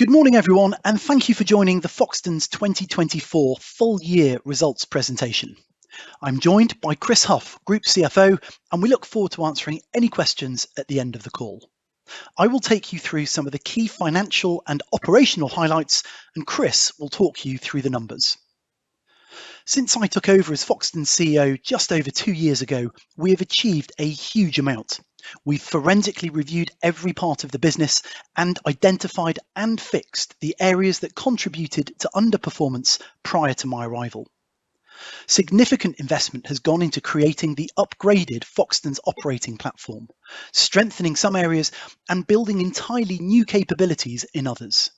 Good morning, everyone, and thank you for joining the Foxtons 2024 full-year results presentation. I'm joined by Chris Hough, Group CFO, and we look forward to answering any questions at the end of the call. I will take you through some of the key financial and operational highlights, and Chris will talk you through the numbers. Since I took over as Foxtons CEO just over two years ago, we have achieved a huge amount. We've forensically reviewed every part of the business and identified and fixed the areas that contributed to underperformance prior to my arrival. Significant investment has gone into creating the upgraded Foxtons operating platform, strengthening some areas, and building entirely new capabilities in others.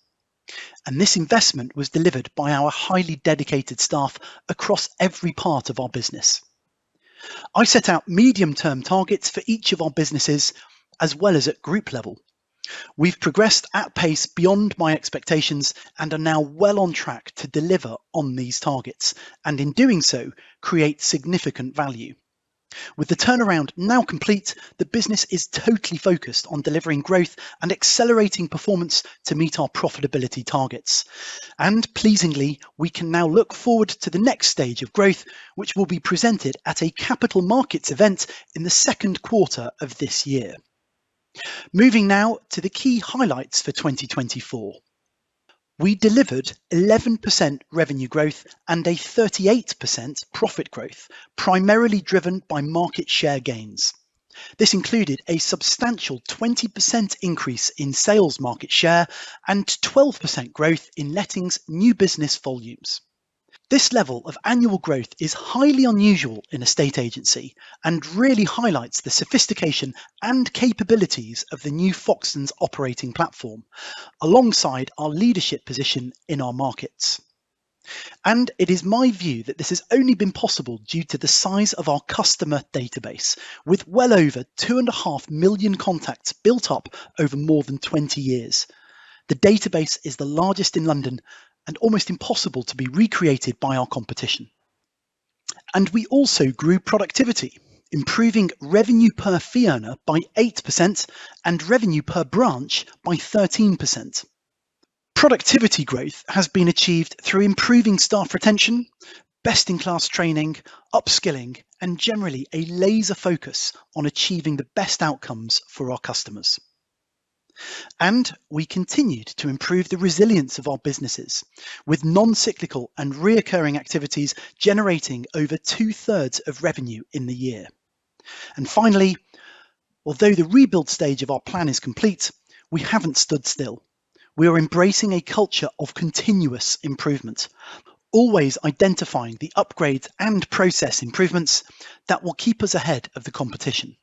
This investment was delivered by our highly dedicated staff across every part of our business. I set out medium-term targets for each of our businesses, as well as at group level. We've progressed at pace beyond my expectations and are now well on track to deliver on these targets, and in doing so, create significant value. With the turnaround now complete, the business is totally focused on delivering growth and accelerating performance to meet our profitability targets. Pleasingly, we can now look forward to the next stage of growth, which will be presented at a capital markets event in the second quarter of this year. Moving now to the key highlights for 2024. We delivered 11% revenue growth and a 38% profit growth, primarily driven by market share gains. This included a substantial 20% increase in sales market share and 12% growth in Lettings new business volumes. This level of annual growth is highly unusual in estate agency and really highlights the sophistication and capabilities of the new Foxtons operating platform, alongside our leadership position in our markets. It is my view that this has only been possible due to the size of our customer database, with well over 2.5 million contacts built up over more than 20 years. The database is the largest in London and almost impossible to be recreated by our competition. We also grew productivity, improving revenue per fee owner by 8% and revenue per branch by 13%. Productivity growth has been achieved through improving staff retention, best-in-class training, upskilling, and generally a laser focus on achieving the best outcomes for our customers. We continued to improve the resilience of our businesses, with non-cyclical and recurring activities generating over two-thirds of revenue in the year. Finally, although the rebuild stage of our plan is complete, we have not stood still. We are embracing a culture of continuous improvement, always identifying the upgrades and process improvements that will keep us ahead of the competition.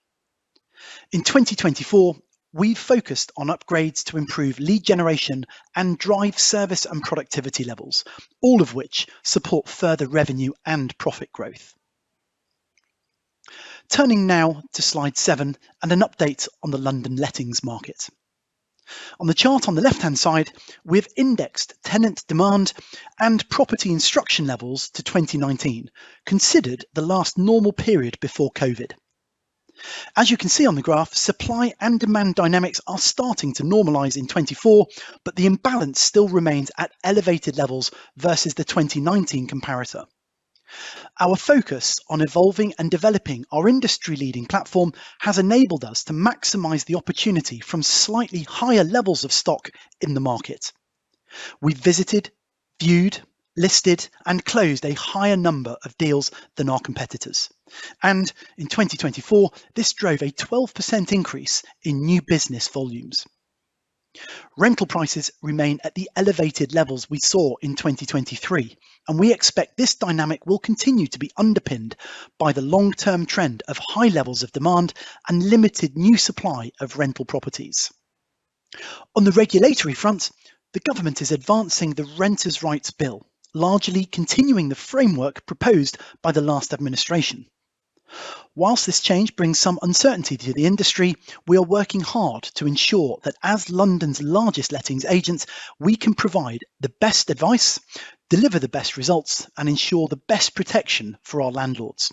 In 2024, we've focused on upgrades to improve lead generation and drive service and productivity levels, all of which support further revenue and profit growth. Turning now to slide seven and an update on the London Lettings market. On the chart on the left-hand side, we've indexed tenant demand and property instruction levels to 2019, considered the last normal period before COVID. As you can see on the graph, supply and demand dynamics are starting to normalize in 2024, but the imbalance still remains at elevated levels versus the 2019 comparator. Our focus on evolving and developing our industry-leading platform has enabled us to maximize the opportunity from slightly higher levels of stock in the market. have visited, viewed, listed, and closed a higher number of deals than our competitors. In 2024, this drove a 12% increase in new business volumes. Rental prices remain at the elevated levels we saw in 2023, and we expect this dynamic will continue to be underpinned by the long-term trend of high levels of demand and limited new supply of rental properties. On the regulatory front, the government is advancing the Renters' Rights Bill, largely continuing the framework proposed by the last administration. Whilst this change brings some uncertainty to the industry, we are working hard to ensure that as London's largest Lettings agents, we can provide the best advice, deliver the best results, and ensure the best protection for our landlords.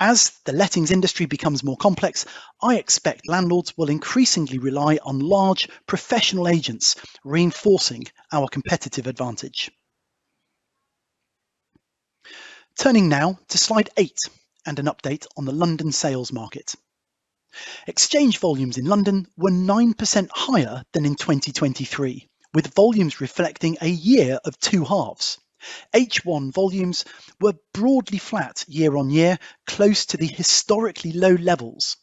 As the Lettings industry becomes more complex, I expect landlords will increasingly rely on large, professional agents, reinforcing our competitive advantage. Turning now to slide eight and an update on the London sales market. Exchange volumes in London were 9% higher than in 2023, with volumes reflecting a year of two halves. H1 volumes were broadly flat year-on-year, close to the historically low levels,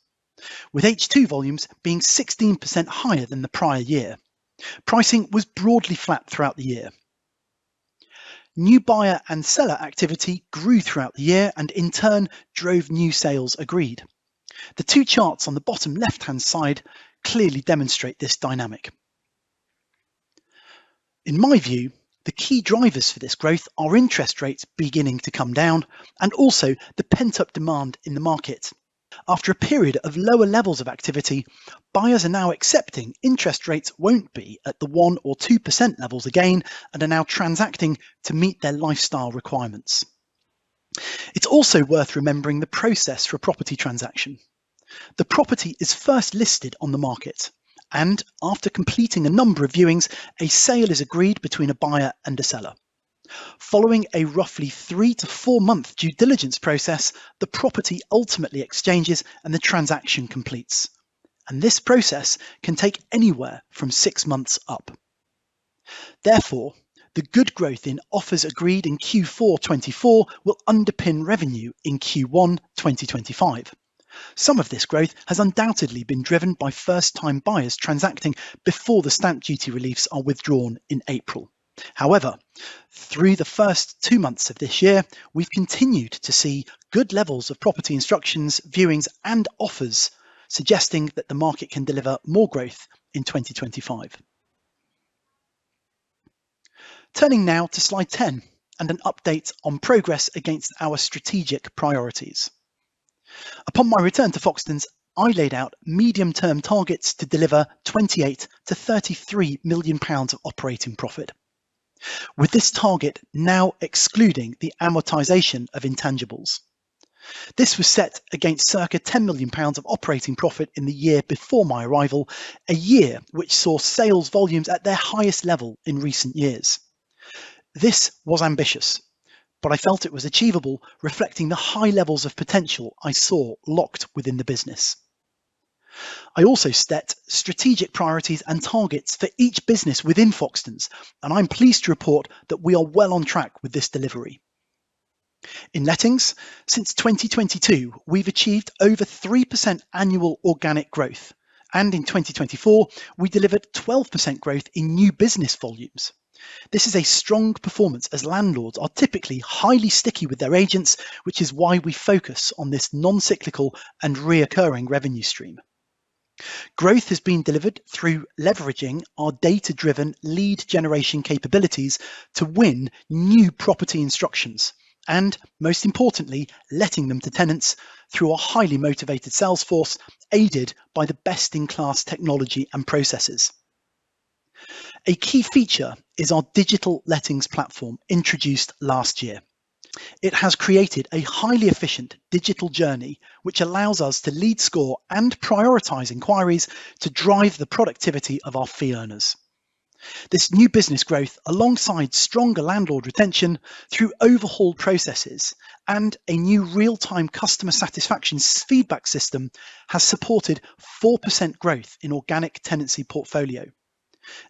with H2 volumes being 16% higher than the prior year. Pricing was broadly flat throughout the year. New buyer and seller activity grew throughout the year and in turn drove new sales agreed. The two charts on the bottom left-hand side clearly demonstrate this dynamic. In my view, the key drivers for this growth are interest rates beginning to come down and also the pent-up demand in the market. After a period of lower levels of activity, buyers are now accepting interest rates won't be at the 1% or 2% levels again and are now transacting to meet their lifestyle requirements. It's also worth remembering the process for a property transaction. The property is first listed on the market, and after completing a number of viewings, a sale is agreed between a buyer and a seller. Following a roughly three to four-month due diligence process, the property ultimately exchanges and the transaction completes. This process can take anywhere from six months up. Therefore, the good growth in offers agreed in Q4 2024 will underpin revenue in Q1 2025. Some of this growth has undoubtedly been driven by first-time buyers transacting before the stamp duty reliefs are withdrawn in April. However, through the first two months of this year, we've continued to see good levels of property instructions, viewings, and offers suggesting that the market can deliver more growth in 2025. Turning now to slide 10 and an update on progress against our strategic priorities. Upon my return to Foxtons, I laid out medium-term targets to deliver 28 million-33 million pounds of operating profit, with this target now excluding the amortization of intangibles. This was set against circa 10 million pounds of operating profit in the year before my arrival, a year which saw sales volumes at their highest level in recent years. This was ambitious, but I felt it was achievable, reflecting the high levels of potential I saw locked within the business. I also set strategic priorities and targets for each business within Foxtons, and I'm pleased to report that we are well on track with this delivery. In Lettings, since 2022, we've achieved over 3% annual organic growth, and in 2024, we delivered 12% growth in new business volumes. This is a strong performance as landlords are typically highly sticky with their agents, which is why we focus on this non-cyclical and recurring revenue stream. Growth has been delivered through leveraging our data-driven lead generation capabilities to win new property instructions and, most importantly, Letting them to tenants through a highly motivated sales force aided by the best-in-class technology and processes. A key feature is our digital Lettings platform introduced last year. It has created a highly efficient digital journey, which allows us to lead score and prioritize inquiries to drive the productivity of our fee earners. This new business growth, alongside stronger landlord retention through overhauled processes and a new real-time customer satisfaction feedback system, has supported 4% growth in organic tenancy portfolio.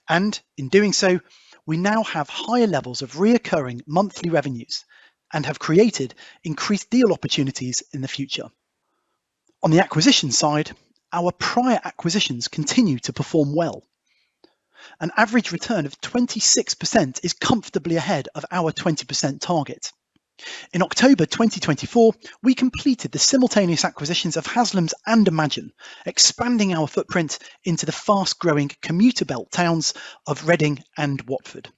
In doing so, we now have higher levels of recurring monthly revenues and have created increased deal opportunities in the future. On the acquisition side, our prior acquisitions continue to perform well. An average return of 26% is comfortably ahead of our 20% target. In October 2024, we completed the simultaneous acquisitions of Haslams and Imagine, expanding our footprint into the fast-growing commuter belt towns of Reading and Watford.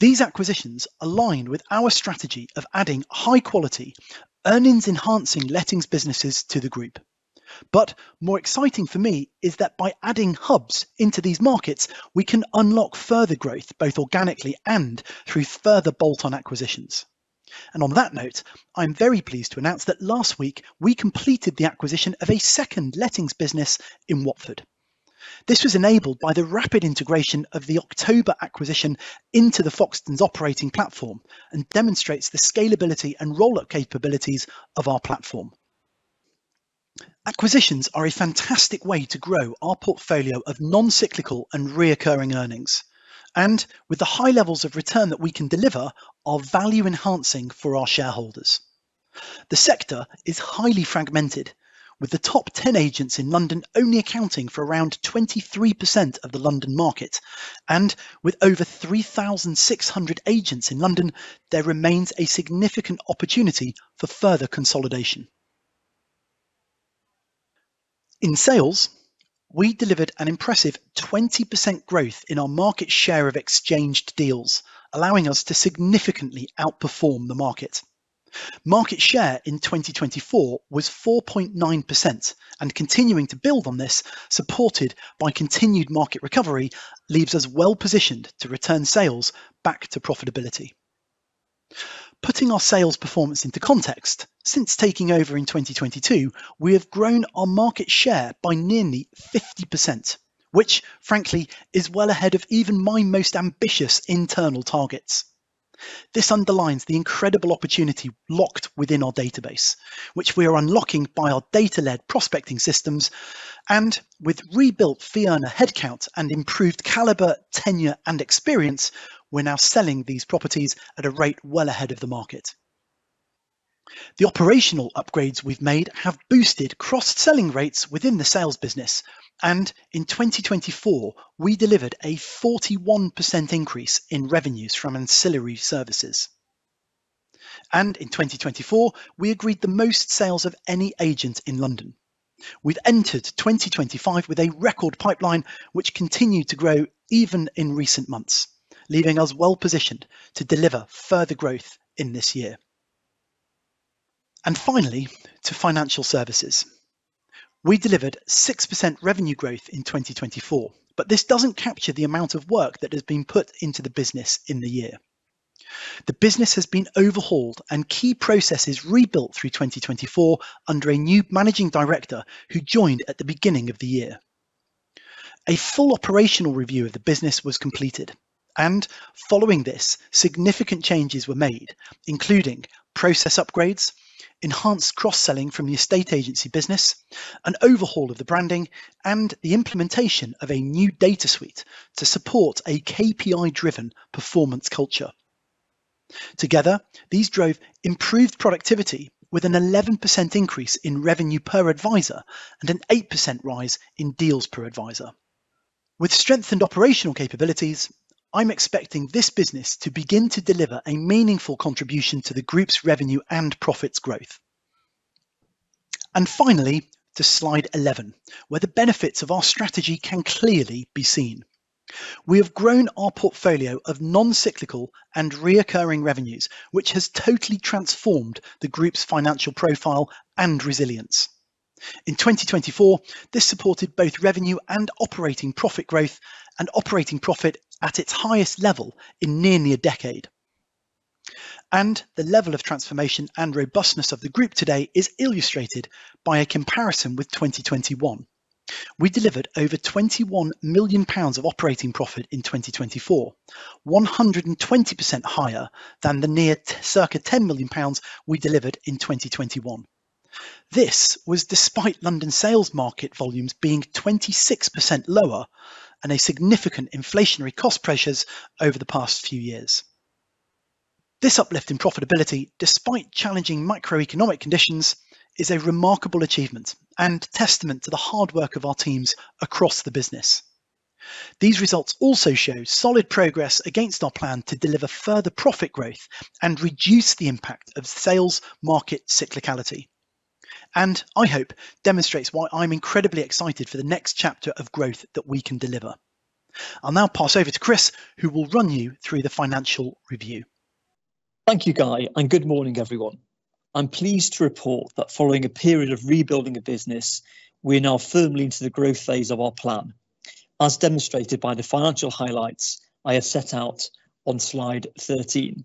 These acquisitions align with our strategy of adding high-quality, earnings-enhancing Lettings businesses to the group. More exciting for me is that by adding hubs into these markets, we can unlock further growth both organically and through further bolt-on acquisitions. On that note, I'm very pleased to announce that last week we completed the acquisition of a second Lettings business in Watford. This was enabled by the rapid integration of the October acquisition into the Foxtons operating platform and demonstrates the scalability and roll-up capabilities of our platform. Acquisitions are a fantastic way to grow our portfolio of non-cyclical and reoccurring earnings, and with the high levels of return that we can deliver, are value enhancing for our shareholders. The sector is highly fragmented, with the top 10 agents in London only accounting for around 23% of the London market, and with over 3,600 agents in London, there remains a significant opportunity for further consolidation. In sales, we delivered an impressive 20% growth in our market share of exchanged deals, allowing us to significantly outperform the market. Market share in 2024 was 4.9%, and continuing to build on this, supported by continued market recovery, leaves us well positioned to return sales back to profitability. Putting our sales performance into context, since taking over in 2022, we have grown our market share by nearly 50%, which, frankly, is well ahead of even my most ambitious internal targets. This underlines the incredible opportunity locked within our database, which we are unlocking by our data-led prospecting systems. With rebuilt fee earner headcount and improved caliber, tenure, and experience, we're now selling these properties at a rate well ahead of the market. The operational upgrades we've made have boosted cross-selling rates within the sales business, and in 2024, we delivered a 41% increase in revenues from ancillary services. In 2024, we agreed the most sales of any agent in London. We've entered 2025 with a record pipeline, which continued to grow even in recent months, leaving us well positioned to deliver further growth in this year. Finally, to financial services. We delivered 6% revenue growth in 2024, but this doesn't capture the amount of work that has been put into the business in the year. The business has been overhauled and key processes rebuilt through 2024 under a new managing director who joined at the beginning of the year. A full operational review of the business was completed, and following this, significant changes were made, including process upgrades, enhanced cross-selling from the estate agency business, an overhaul of the branding, and the implementation of a new data suite to support a KPI-driven performance culture. Together, these drove improved productivity with an 11% increase in revenue per advisor and an 8% rise in deals per advisor. With strengthened operational capabilities, I am expecting this business to begin to deliver a meaningful contribution to the group's revenue and profits growth. Finally, to slide 11, where the benefits of our strategy can clearly be seen. We have grown our portfolio of non-cyclical and recurring revenues, which has totally transformed the group's financial profile and resilience. In 2024, this supported both revenue and operating profit growth, and operating profit at its highest level in nearly a decade. The level of transformation and robustness of the group today is illustrated by a comparison with 2021. We delivered over 21 million pounds of operating profit in 2024, 120% higher than the near circa 10 million pounds we delivered in 2021. This was despite London sales market volumes being 26% lower and significant inflationary cost pressures over the past few years. This uplift in profitability, despite challenging microeconomic conditions, is a remarkable achievement and testament to the hard work of our teams across the business. These results also show solid progress against our plan to deliver further profit growth and reduce the impact of sales market cyclicality. I hope it demonstrates why I'm incredibly excited for the next chapter of growth that we can deliver. I'll now pass over to Chris, who will run you through the financial review. Thank you, Guy, and good morning, everyone. I'm pleased to report that following a period of rebuilding of business, we are now firmly into the growth phase of our plan, as demonstrated by the financial highlights I have set out on slide 13.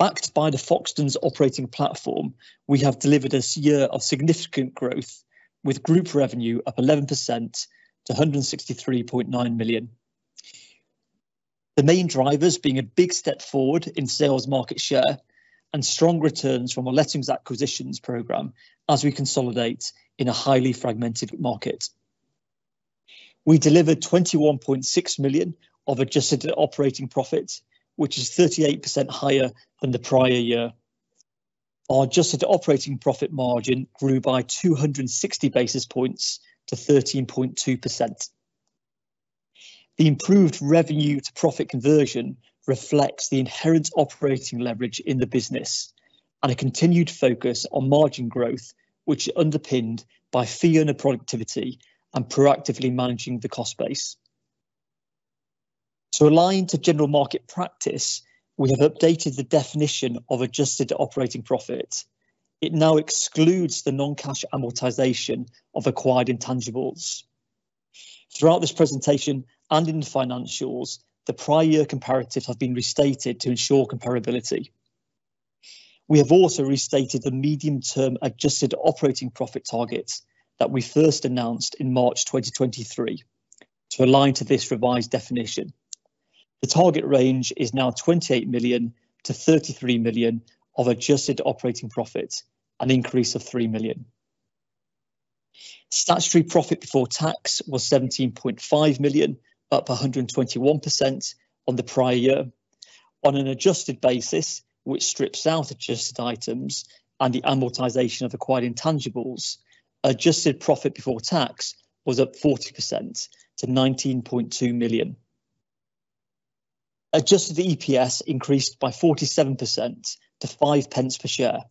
Backed by the Foxtons operating platform, we have delivered this year of significant growth, with group revenue up 11% to 163.9 million. The main drivers being a big step forward in sales market share and strong returns from the Lettings acquisitions program as we consolidate in a highly fragmented market. We delivered 21.6 million of adjusted operating profit, which is 38% higher than the prior year. Our adjusted operating profit margin grew by 260 basis points to 13.2%. The improved revenue-to-profit conversion reflects the inherent operating leverage in the business and a continued focus on margin growth, which is underpinned by fee owner productivity and proactively managing the cost base. To align to general market practice, we have updated the definition of adjusted operating profit. It now excludes the non-cash amortization of acquired intangibles. Throughout this presentation and in the financials, the prior year comparatives have been restated to ensure comparability. We have also restated the medium-term adjusted operating profit target that we first announced in March 2023 to align to this revised definition. The target range is now 28 million-33 million of adjusted operating profit, an increase of 3 million. Statutory profit before tax was 17.5 million, up 121% on the prior year. On an adjusted basis, which strips out adjusted items and the amortization of acquired intangibles, adjusted profit before tax was up 40% to 19.2 million. Adjusted EPS increased by 47% to 0.05 per share.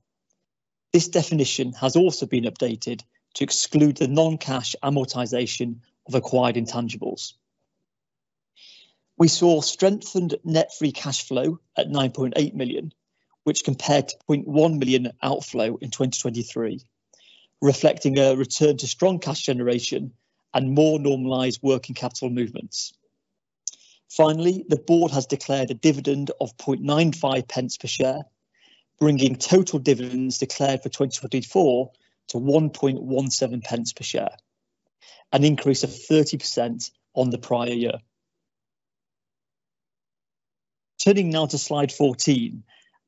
This definition has also been updated to exclude the non-cash amortization of acquired intangibles. We saw strengthened net free cash flow at 9.8 million, which compared to 1 million outflow in 2023, reflecting a return to strong cash generation and more normalized working capital movements. Finally, the board has declared a dividend of 0.95 per share, bringing total dividends declared for 2024 to 1.17 per share, an increase of 30% on the prior year. Turning now to slide 14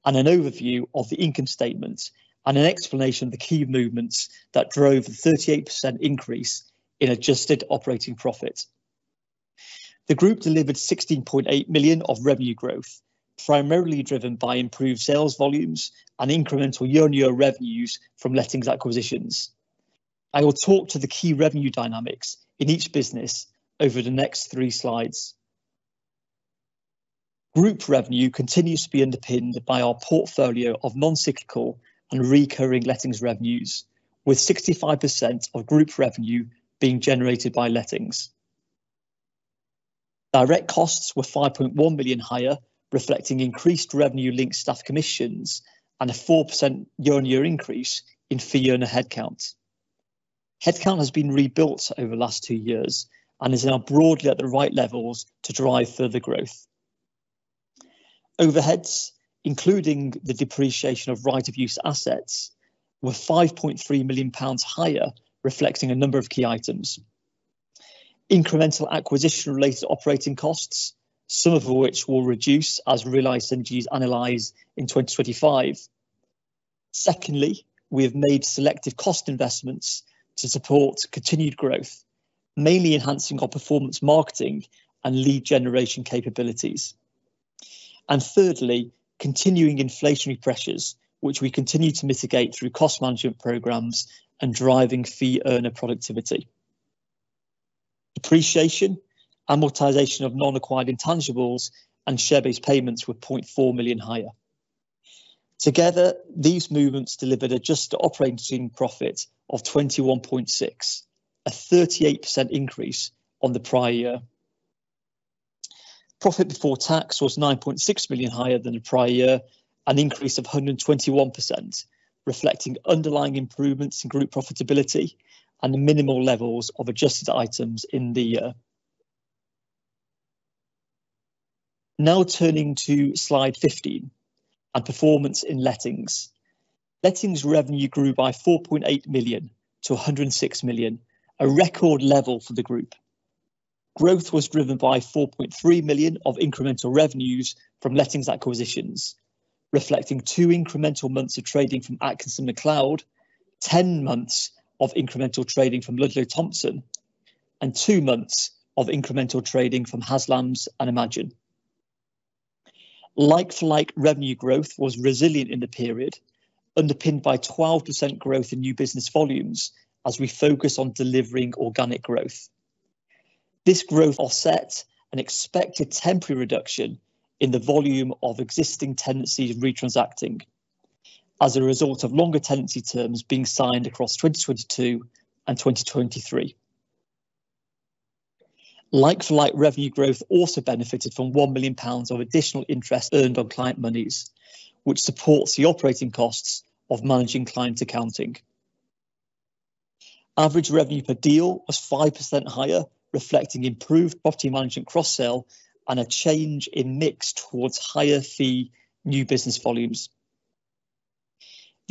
and an overview of the income statements and an explanation of the key movements that drove the 38% increase in adjusted operating profit. The group delivered 16.8 million of revenue growth, primarily driven by improved sales volumes and incremental year-on-year revenues from Letting acquisitions. I will talk to the key revenue dynamics in each business over the next three slides. Group revenue continues to be underpinned by our portfolio of non-cyclical and recurring Lettings revenues, with 65% of group revenue being generated by Lettings. Direct costs were 5.1 million higher, reflecting increased revenue-linked staff commissions and a 4% year-on-year increase in fee earner headcount. Headcount has been rebuilt over the last two years and is now broadly at the right levels to drive further growth. Overheads, including the depreciation of right-of-use assets, were 5.3 million pounds higher, reflecting a number of key items. Incremental acquisition-related operating costs, some of which will reduce as real-life synergies analyze in 2025. Secondly, we have made selective cost investments to support continued growth, mainly enhancing our performance marketing and lead generation capabilities. Thirdly, continuing inflationary pressures, which we continue to mitigate through cost management programs and driving fee owner productivity. Depreciation, amortization of non-acquired intangibles, and share-based payments were 0.4 million higher. Together, these movements delivered adjusted operating profit of 21.6 million, a 38% increase on the prior year. Profit before tax was 9.6 million higher than the prior year, an increase of 121%, reflecting underlying improvements in group profitability and minimal levels of adjusted items in the year. Now turning to slide 15 and performance in Lettings. Lettings revenue grew by 4.8 million to 106 million, a record level for the group. Growth was driven by 4.3 million of incremental revenues from Lettings acquisitions, reflecting two incremental months of trading from Atkinson McLeod, 10 months of incremental trading from Ludlow Thompson, and two months of incremental trading from Haslams and Imagine. Like-for-like revenue growth was resilient in the period, underpinned by 12% growth in new business volumes as we focus on delivering organic growth. This growth offset an expected temporary reduction in the volume of existing tenancies retransacting as a result of longer tenancy terms being signed across 2022 and 2023. Like-for-like revenue growth also benefited from 1 million pounds of additional interest earned on client monies, which supports the operating costs of managing client accounting. Average revenue per deal was 5% higher, reflecting improved property management cross-sale and a change in mix towards higher fee new business volumes.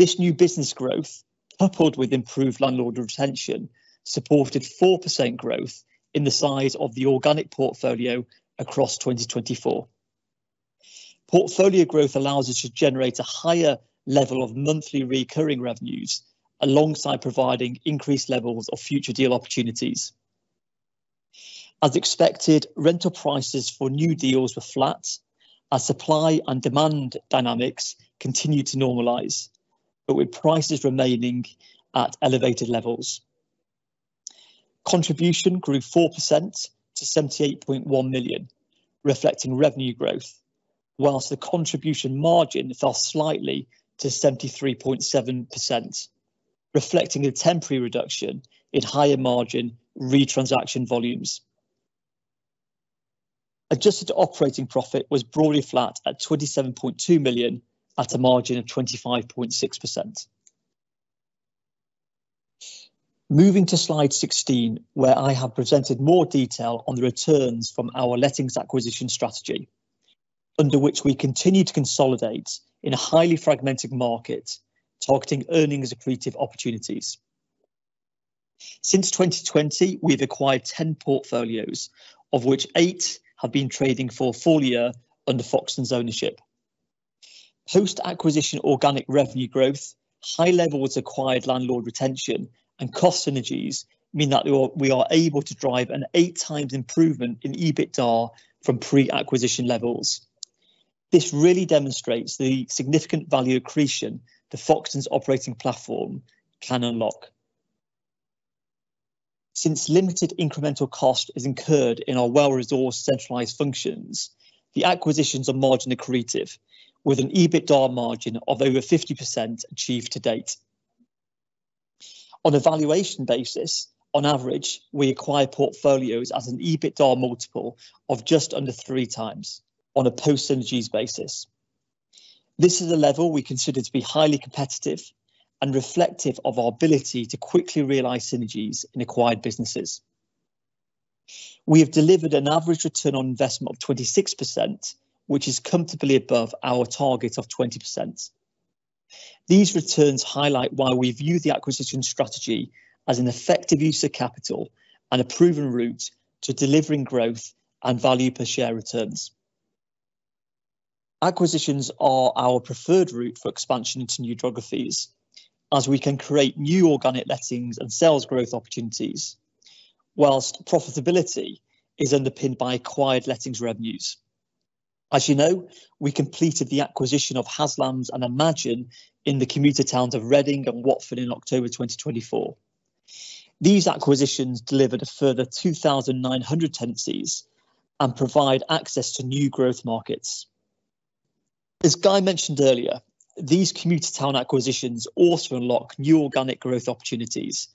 This new business growth, coupled with improved landlord retention, supported 4% growth in the size of the organic portfolio across 2024. Portfolio growth allows us to generate a higher level of monthly recurring revenues alongside providing increased levels of future deal opportunities. As expected, rental prices for new deals were flat as supply and demand dynamics continued to normalize, but with prices remaining at elevated levels. Contribution grew 4% to 78.1 million, reflecting revenue growth, whilst the contribution margin fell slightly to 73.7%, reflecting a temporary reduction in higher margin retransaction volumes. Adjusted operating profit was broadly flat at 27.2 million at a margin of 25.6%. Moving to slide 16, where I have presented more detail on the returns from our Lettings acquisition strategy, under which we continue to consolidate in a highly fragmented market, targeting earnings-accretive opportunities. Since 2020, we've acquired ten portfolios, of which eight have been trading for a full year under Foxtons ownership. Post-acquisition organic revenue growth, high levels of acquired landlord retention, and cost synergies mean that we are able to drive an eight-times improvement in EBITDA from pre-acquisition levels. This really demonstrates the significant value accretion the Foxtons operating platform can unlock. Since limited incremental cost is incurred in our well-resourced centralized functions, the acquisitions are margin-accretive, with an EBITDA margin of over 50% achieved to date. On a valuation basis, on average, we acquire portfolios at an EBITDA multiple of just under three times on a post-synergies basis. This is a level we consider to be highly competitive and reflective of our ability to quickly realize synergies in acquired businesses. We have delivered an average return on investment of 26%, which is comfortably above our target of 20%. These returns highlight why we view the acquisition strategy as an effective use of capital and a proven route to delivering growth and value-per-share returns. Acquisitions are our preferred route for expansion into new geographies, as we can create new organic Lettings and sales growth opportunities, whilst profitability is underpinned by acquired Lettings revenues. As you know, we completed the acquisition of Haslams and Imagine in the commuter towns of Reading and Watford in October 2024. These acquisitions delivered a further 2,900 tenancies and provide access to new growth markets. As Guy mentioned earlier, these commuter town acquisitions also unlock new organic growth opportunities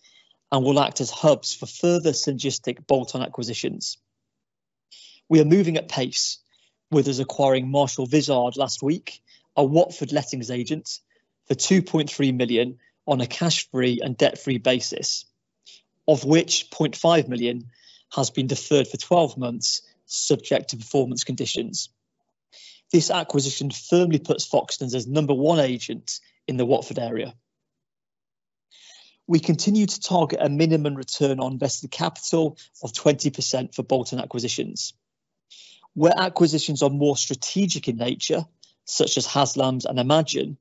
and will act as hubs for further synergistic bolt-on acquisitions. We are moving at pace, with us acquiring Adrian Kearsey at Panmure Liberum last week, a Watford Lettings agent, for 2.3 million on a cash-free and debt-free basis, of which 0.5 million has been deferred for 12 months, subject to performance conditions. This acquisition firmly puts Foxtons as number one agent in the Watford area. We continue to target a minimum return on invested capital of 20% for bolt-on acquisitions. Where acquisitions are more strategic in nature, such as Haslams and Imagine,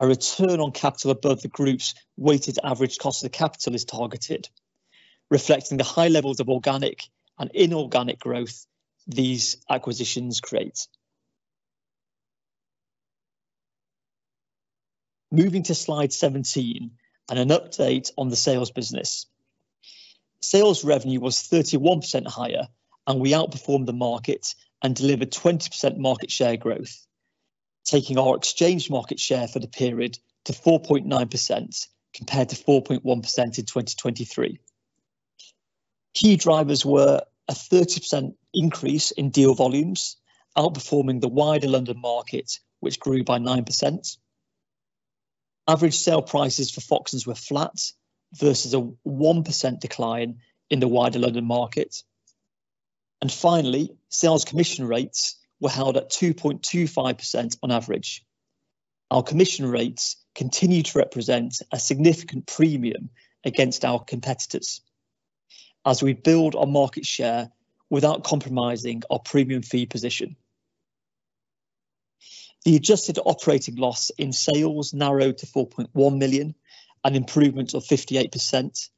a return on capital above the group's weighted average cost of capital is targeted, reflecting the high levels of organic and inorganic growth these acquisitions create. Moving to slide 17 and an update on the sales business. Sales revenue was 31% higher, and we outperformed the market and delivered 20% market share growth, taking our exchange market share for the period to 4.9% compared to 4.1% in 2023. Key drivers were a 30% increase in deal volumes, outperforming the wider London market, which grew by 9%. Average sale prices for Foxtons were flat versus a 1% decline in the wider London market. Sales commission rates were held at 2.25% on average. Our commission rates continue to represent a significant premium against our competitors as we build our market share without compromising our premium fee position. The adjusted operating loss in sales narrowed to 4.1 million, an improvement of 58%,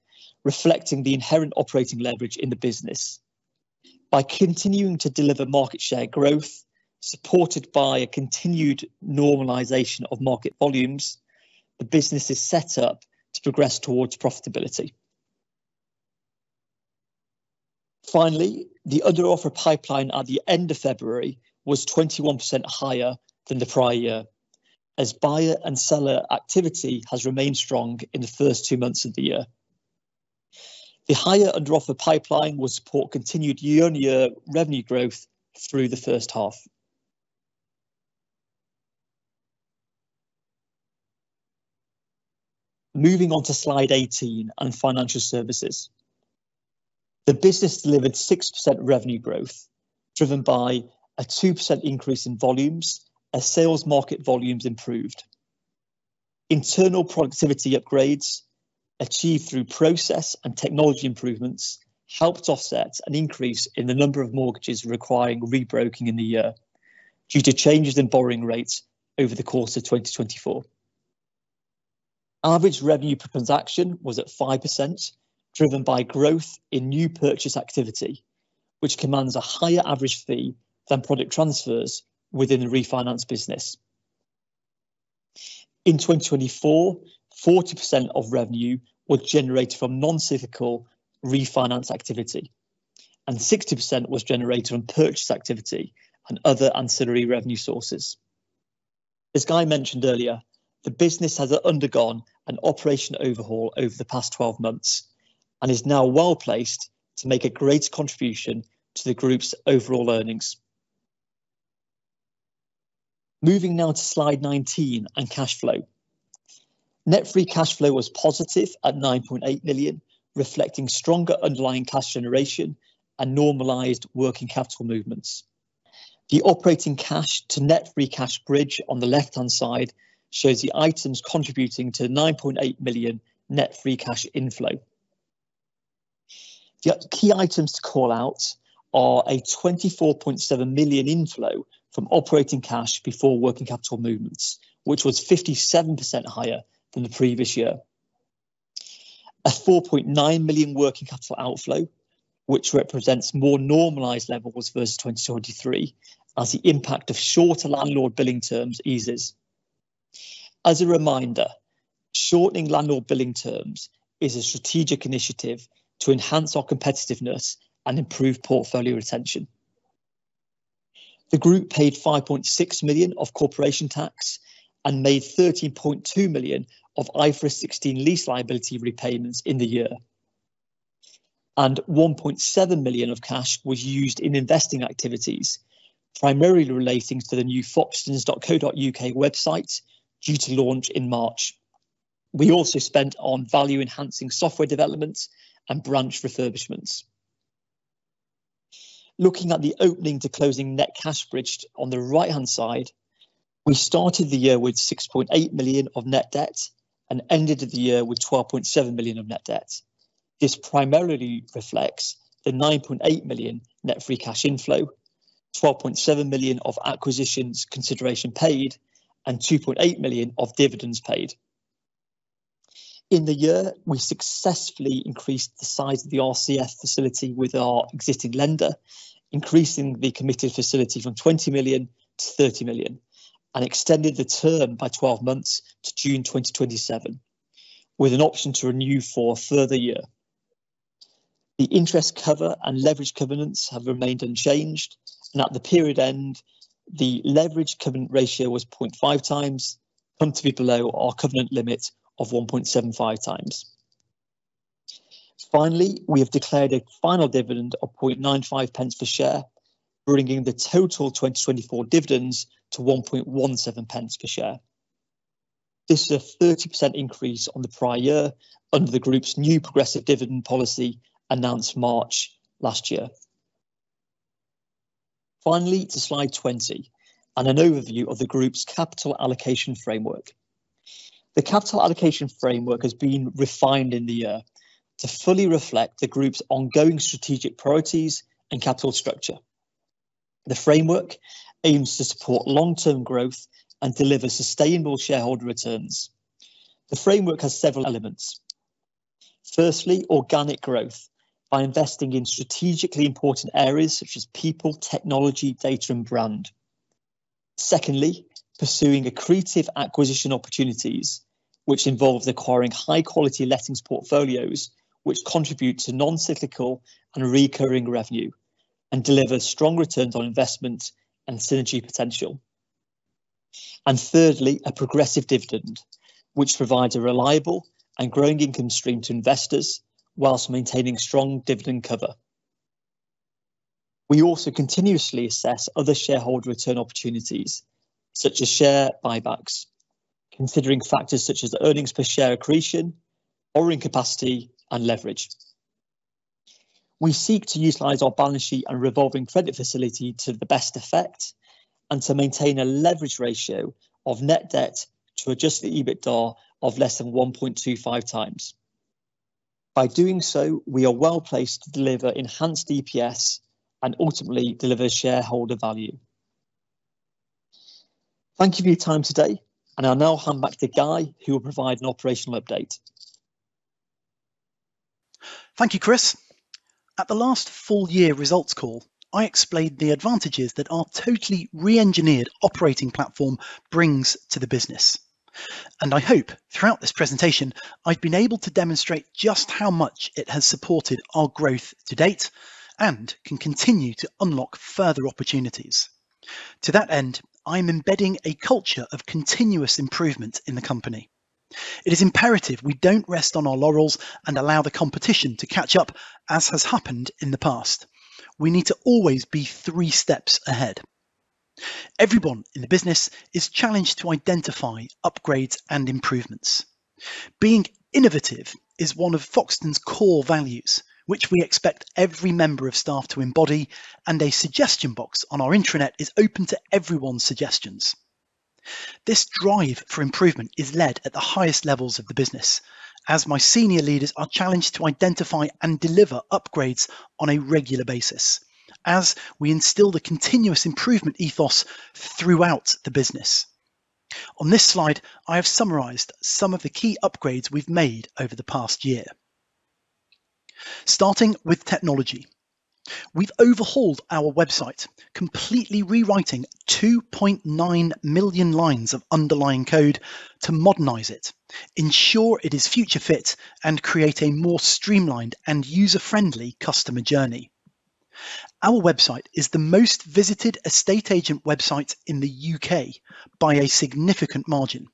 reflecting the inherent operating leverage in the business. By continuing to deliver market share growth, supported by a continued normalization of market volumes, the business is set up to progress towards profitability. Finally, the under-offer pipeline at the end of February was 21% higher than the prior year, as buyer and seller activity has remained strong in the first two months of the year. The higher under-offer pipeline will support continued year-on-year revenue growth through the first half. Moving on to slide 18 and Financial Services. The business delivered 6% revenue growth, driven by a 2% increase in volumes as sales market volumes improved. Internal productivity upgrades achieved through process and technology improvements helped offset an increase in the number of mortgages requiring rebroking in the year due to changes in borrowing rates over the course of 2024. Average revenue per transaction was at 5%, driven by growth in new purchase activity, which commands a higher average fee than product transfers within the refinance business. In 2024, 40% of revenue was generated from non-cyclical refinance activity, and 60% was generated from purchase activity and other ancillary revenue sources. As Guy mentioned earlier, the business has undergone an operational overhaul over the past 12 months and is now well placed to make a greater contribution to the group's overall earnings. Moving now to slide 19 and cash flow. Net free cash flow was positive at 9.8 million, reflecting stronger underlying cash generation and normalized working capital movements. The operating cash-to-net free cash bridge on the left-hand side shows the items contributing to 9.8 million net free cash inflow. The key items to call out are a 24.7 million inflow from operating cash before working capital movements, which was 57% higher than the previous year. A 4.9 million working capital outflow, which represents more normalized levels versus 2023, as the impact of shorter landlord billing terms eases. As a reminder, shortening landlord billing terms is a strategic initiative to enhance our competitiveness and improve portfolio retention. The group paid 5.6 million of corporation tax and made 13.2 million of IFRS 16 lease liability repayments in the year. 1.7 million of cash was used in investing activities, primarily relating to the new foxtons.co.uk website due to launch in March. We also spent on value-enhancing software development and branch refurbishments. Looking at the opening to closing net cash bridge on the right-hand side, we started the year with 6.8 million of net debt and ended the year with 12.7 million of net debt. This primarily reflects the 9.8 million net free cash inflow, 12.7 million of acquisitions consideration paid, and 2.8 million of dividends paid. In the year, we successfully increased the size of the RCF facility with our existing lender, increasing the committed facility from 20 million to 30 million, and extended the term by 12 months to June 2027, with an option to renew for a further year. The interest cover and leverage covenants have remained unchanged, and at the period end, the leverage covenant ratio was 0.5 times, comfortably below our covenant limit of 1.75 times. Finally, we have declared a final dividend of 0.95 per share, bringing the total 2024 dividends to 1.17 per share. This is a 30% increase on the prior year under the group's new progressive dividend policy announced March last year. Finally, to slide 20 and an overview of the group's capital allocation framework. The capital allocation framework has been refined in the year to fully reflect the group's ongoing strategic priorities and capital structure. The framework aims to support long-term growth and deliver sustainable shareholder returns. The framework has several elements. Firstly, organic growth by investing in strategically important areas such as people, technology, data, and brand. Secondly, pursuing accretive acquisition opportunities, which involves acquiring high-quality Lettings portfolios, which contribute to non-cyclical and recurring revenue and deliver strong returns on investment and synergy potential. Thirdly, a progressive dividend, which provides a reliable and growing income stream to investors whilst maintaining strong dividend cover. We also continuously assess other shareholder return opportunities, such as share buybacks, considering factors such as earnings per share accretion, borrowing capacity, and leverage. We seek to utilize our balance sheet and revolving credit facility to the best effect and to maintain a leverage ratio of net debt to adjusted EBITDA of less than 1.25 times. By doing so, we are well placed to deliver enhanced EPS and ultimately deliver shareholder value. Thank you for your time today, and I'll now hand back to Guy, who will provide an operational update. Thank you, Chris. At the last full year results call, I explained the advantages that our totally re-engineered operating platform brings to the business. I hope throughout this presentation, I've been able to demonstrate just how much it has supported our growth to date and can continue to unlock further opportunities. To that end, I'm embedding a culture of continuous improvement in the company. It is imperative we don't rest on our laurels and allow the competition to catch up, as has happened in the past. We need to always be three steps ahead. Everyone in the business is challenged to identify upgrades and improvements. Being innovative is one of Foxtons' core values, which we expect every member of staff to embody, and a suggestion box on our intranet is open to everyone's suggestions. This drive for improvement is led at the highest levels of the business, as my senior leaders are challenged to identify and deliver upgrades on a regular basis, as we instill the continuous improvement ethos throughout the business. On this slide, I have summarized some of the key upgrades we've made over the past year. Starting with technology, we've overhauled our website, completely rewriting 2.9 million lines of underlying code to modernize it, ensure it is future-fit, and create a more streamlined and user-friendly customer journey. Our website is the most visited estate agent website in the U.K. by a significant margin,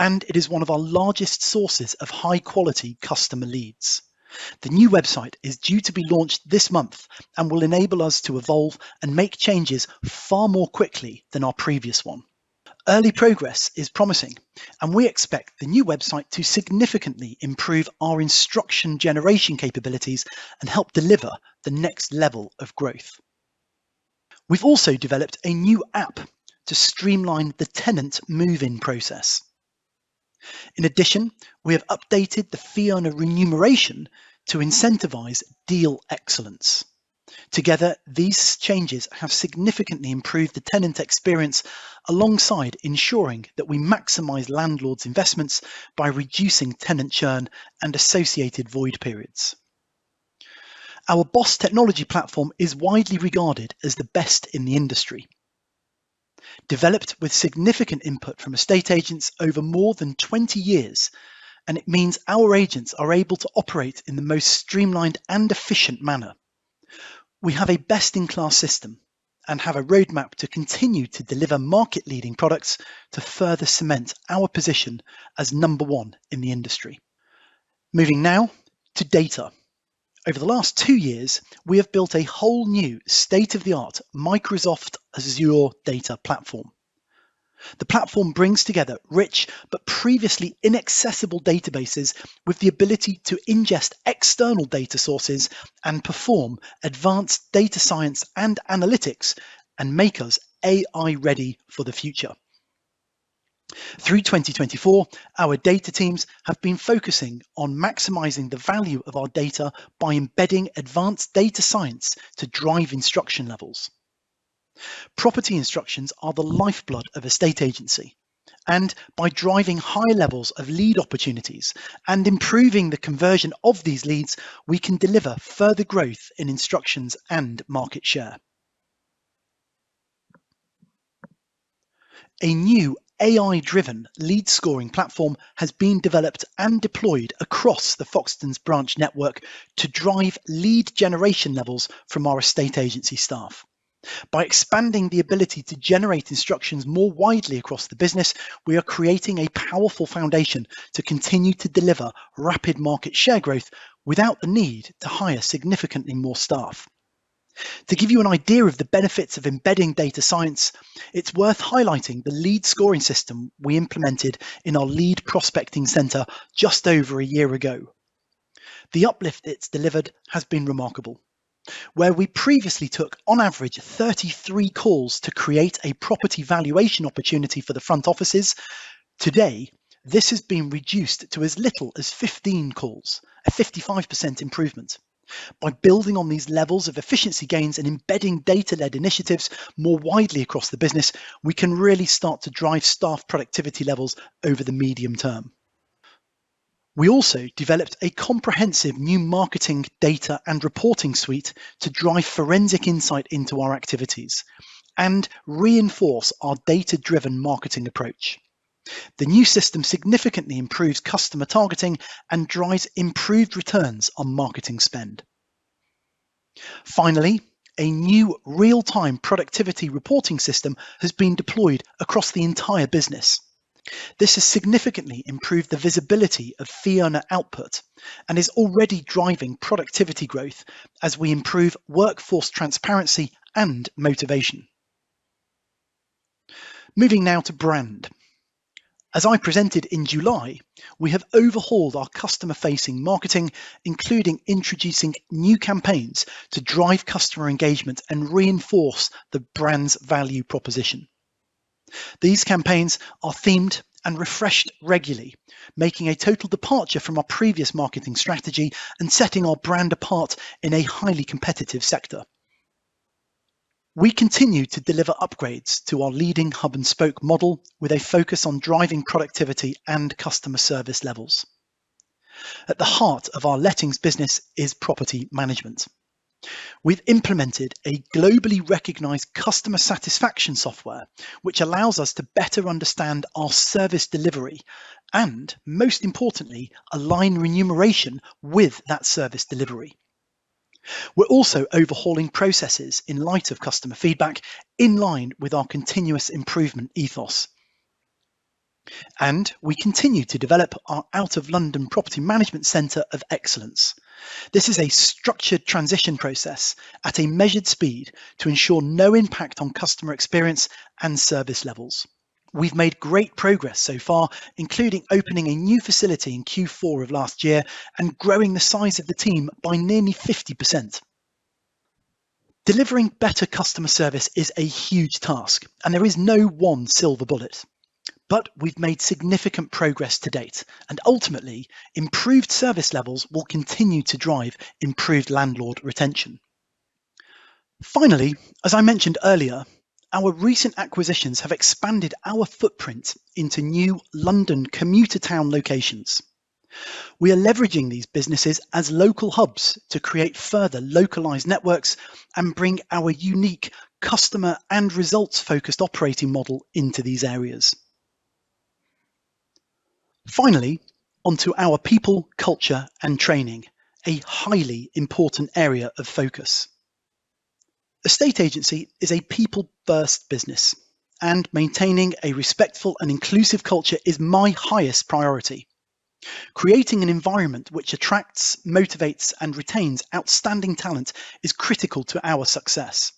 and it is one of our largest sources of high-quality customer leads. The new website is due to be launched this month and will enable us to evolve and make changes far more quickly than our previous one. Early progress is promising, and we expect the new website to significantly improve our instruction generation capabilities and help deliver the next level of growth. We've also developed a new app to streamline the tenant move-in process. In addition, we have updated the fee on remuneration to incentivize deal excellence. Together, these changes have significantly improved the tenant experience alongside ensuring that we maximize landlords' investments by reducing tenant churn and associated void periods. Our BOSS technology platform is widely regarded as the best in the industry, developed with significant input from estate agents over more than 20 years, and it means our agents are able to operate in the most streamlined and efficient manner. We have a best-in-class system and have a roadmap to continue to deliver market-leading products to further cement our position as number one in the industry. Moving now to data. Over the last two years, we have built a whole new state-of-the-art Microsoft Azure data platform. The platform brings together rich but previously inaccessible databases with the ability to ingest external data sources and perform advanced data science and analytics and make us AI-ready for the future. Through 2024, our data teams have been focusing on maximizing the value of our data by embedding advanced data science to drive instruction levels. Property instructions are the lifeblood of estate agency, and by driving high levels of lead opportunities and improving the conversion of these leads, we can deliver further growth in instructions and market share. A new AI-driven lead scoring platform has been developed and deployed across the Foxtons branch network to drive lead generation levels from our estate agency staff. By expanding the ability to generate instructions more widely across the business, we are creating a powerful foundation to continue to deliver rapid market share growth without the need to hire significantly more staff. To give you an idea of the benefits of embedding data science, it's worth highlighting the lead scoring system we implemented in our lead prospecting center just over a year ago. The uplift it's delivered has been remarkable. Where we previously took on average 33 calls to create a property valuation opportunity for the front offices, today this has been reduced to as little as 15 calls, a 55% improvement. By building on these levels of efficiency gains and embedding data-led initiatives more widely across the business, we can really start to drive staff productivity levels over the medium term. We also developed a comprehensive new marketing data and reporting suite to drive forensic insight into our activities and reinforce our data-driven marketing approach. The new system significantly improves customer targeting and drives improved returns on marketing spend. Finally, a new real-time productivity reporting system has been deployed across the entire business. This has significantly improved the visibility of fee on an output and is already driving productivity growth as we improve workforce transparency and motivation. Moving now to brand. As I presented in July, we have overhauled our customer-facing marketing, including introducing new campaigns to drive customer engagement and reinforce the brand's value proposition. These campaigns are themed and refreshed regularly, making a total departure from our previous marketing strategy and setting our brand apart in a highly competitive sector. We continue to deliver upgrades to our leading hub and spoke model with a focus on driving productivity and customer service levels. At the heart of our Lettings business is property management. We've implemented a globally recognized customer satisfaction software, which allows us to better understand our service delivery and, most importantly, align remuneration with that service delivery. We're also overhauling processes in light of customer feedback in line with our continuous improvement ethos. We continue to develop our out-of-London property management center of excellence. This is a structured transition process at a measured speed to ensure no impact on customer experience and service levels. We've made great progress so far, including opening a new facility in Q4 of last year and growing the size of the team by nearly 50%. Delivering better customer service is a huge task, and there is no one silver bullet. We've made significant progress to date, and ultimately, improved service levels will continue to drive improved landlord retention. As I mentioned earlier, our recent acquisitions have expanded our footprint into new London commuter town locations. We are leveraging these businesses as local hubs to create further localized networks and bring our unique customer and results-focused operating model into these areas. Finally, onto our people, culture, and training, a highly important area of focus. Estate agency is a people-first business, and maintaining a respectful and inclusive culture is my highest priority. Creating an environment which attracts, motivates, and retains outstanding talent is critical to our success.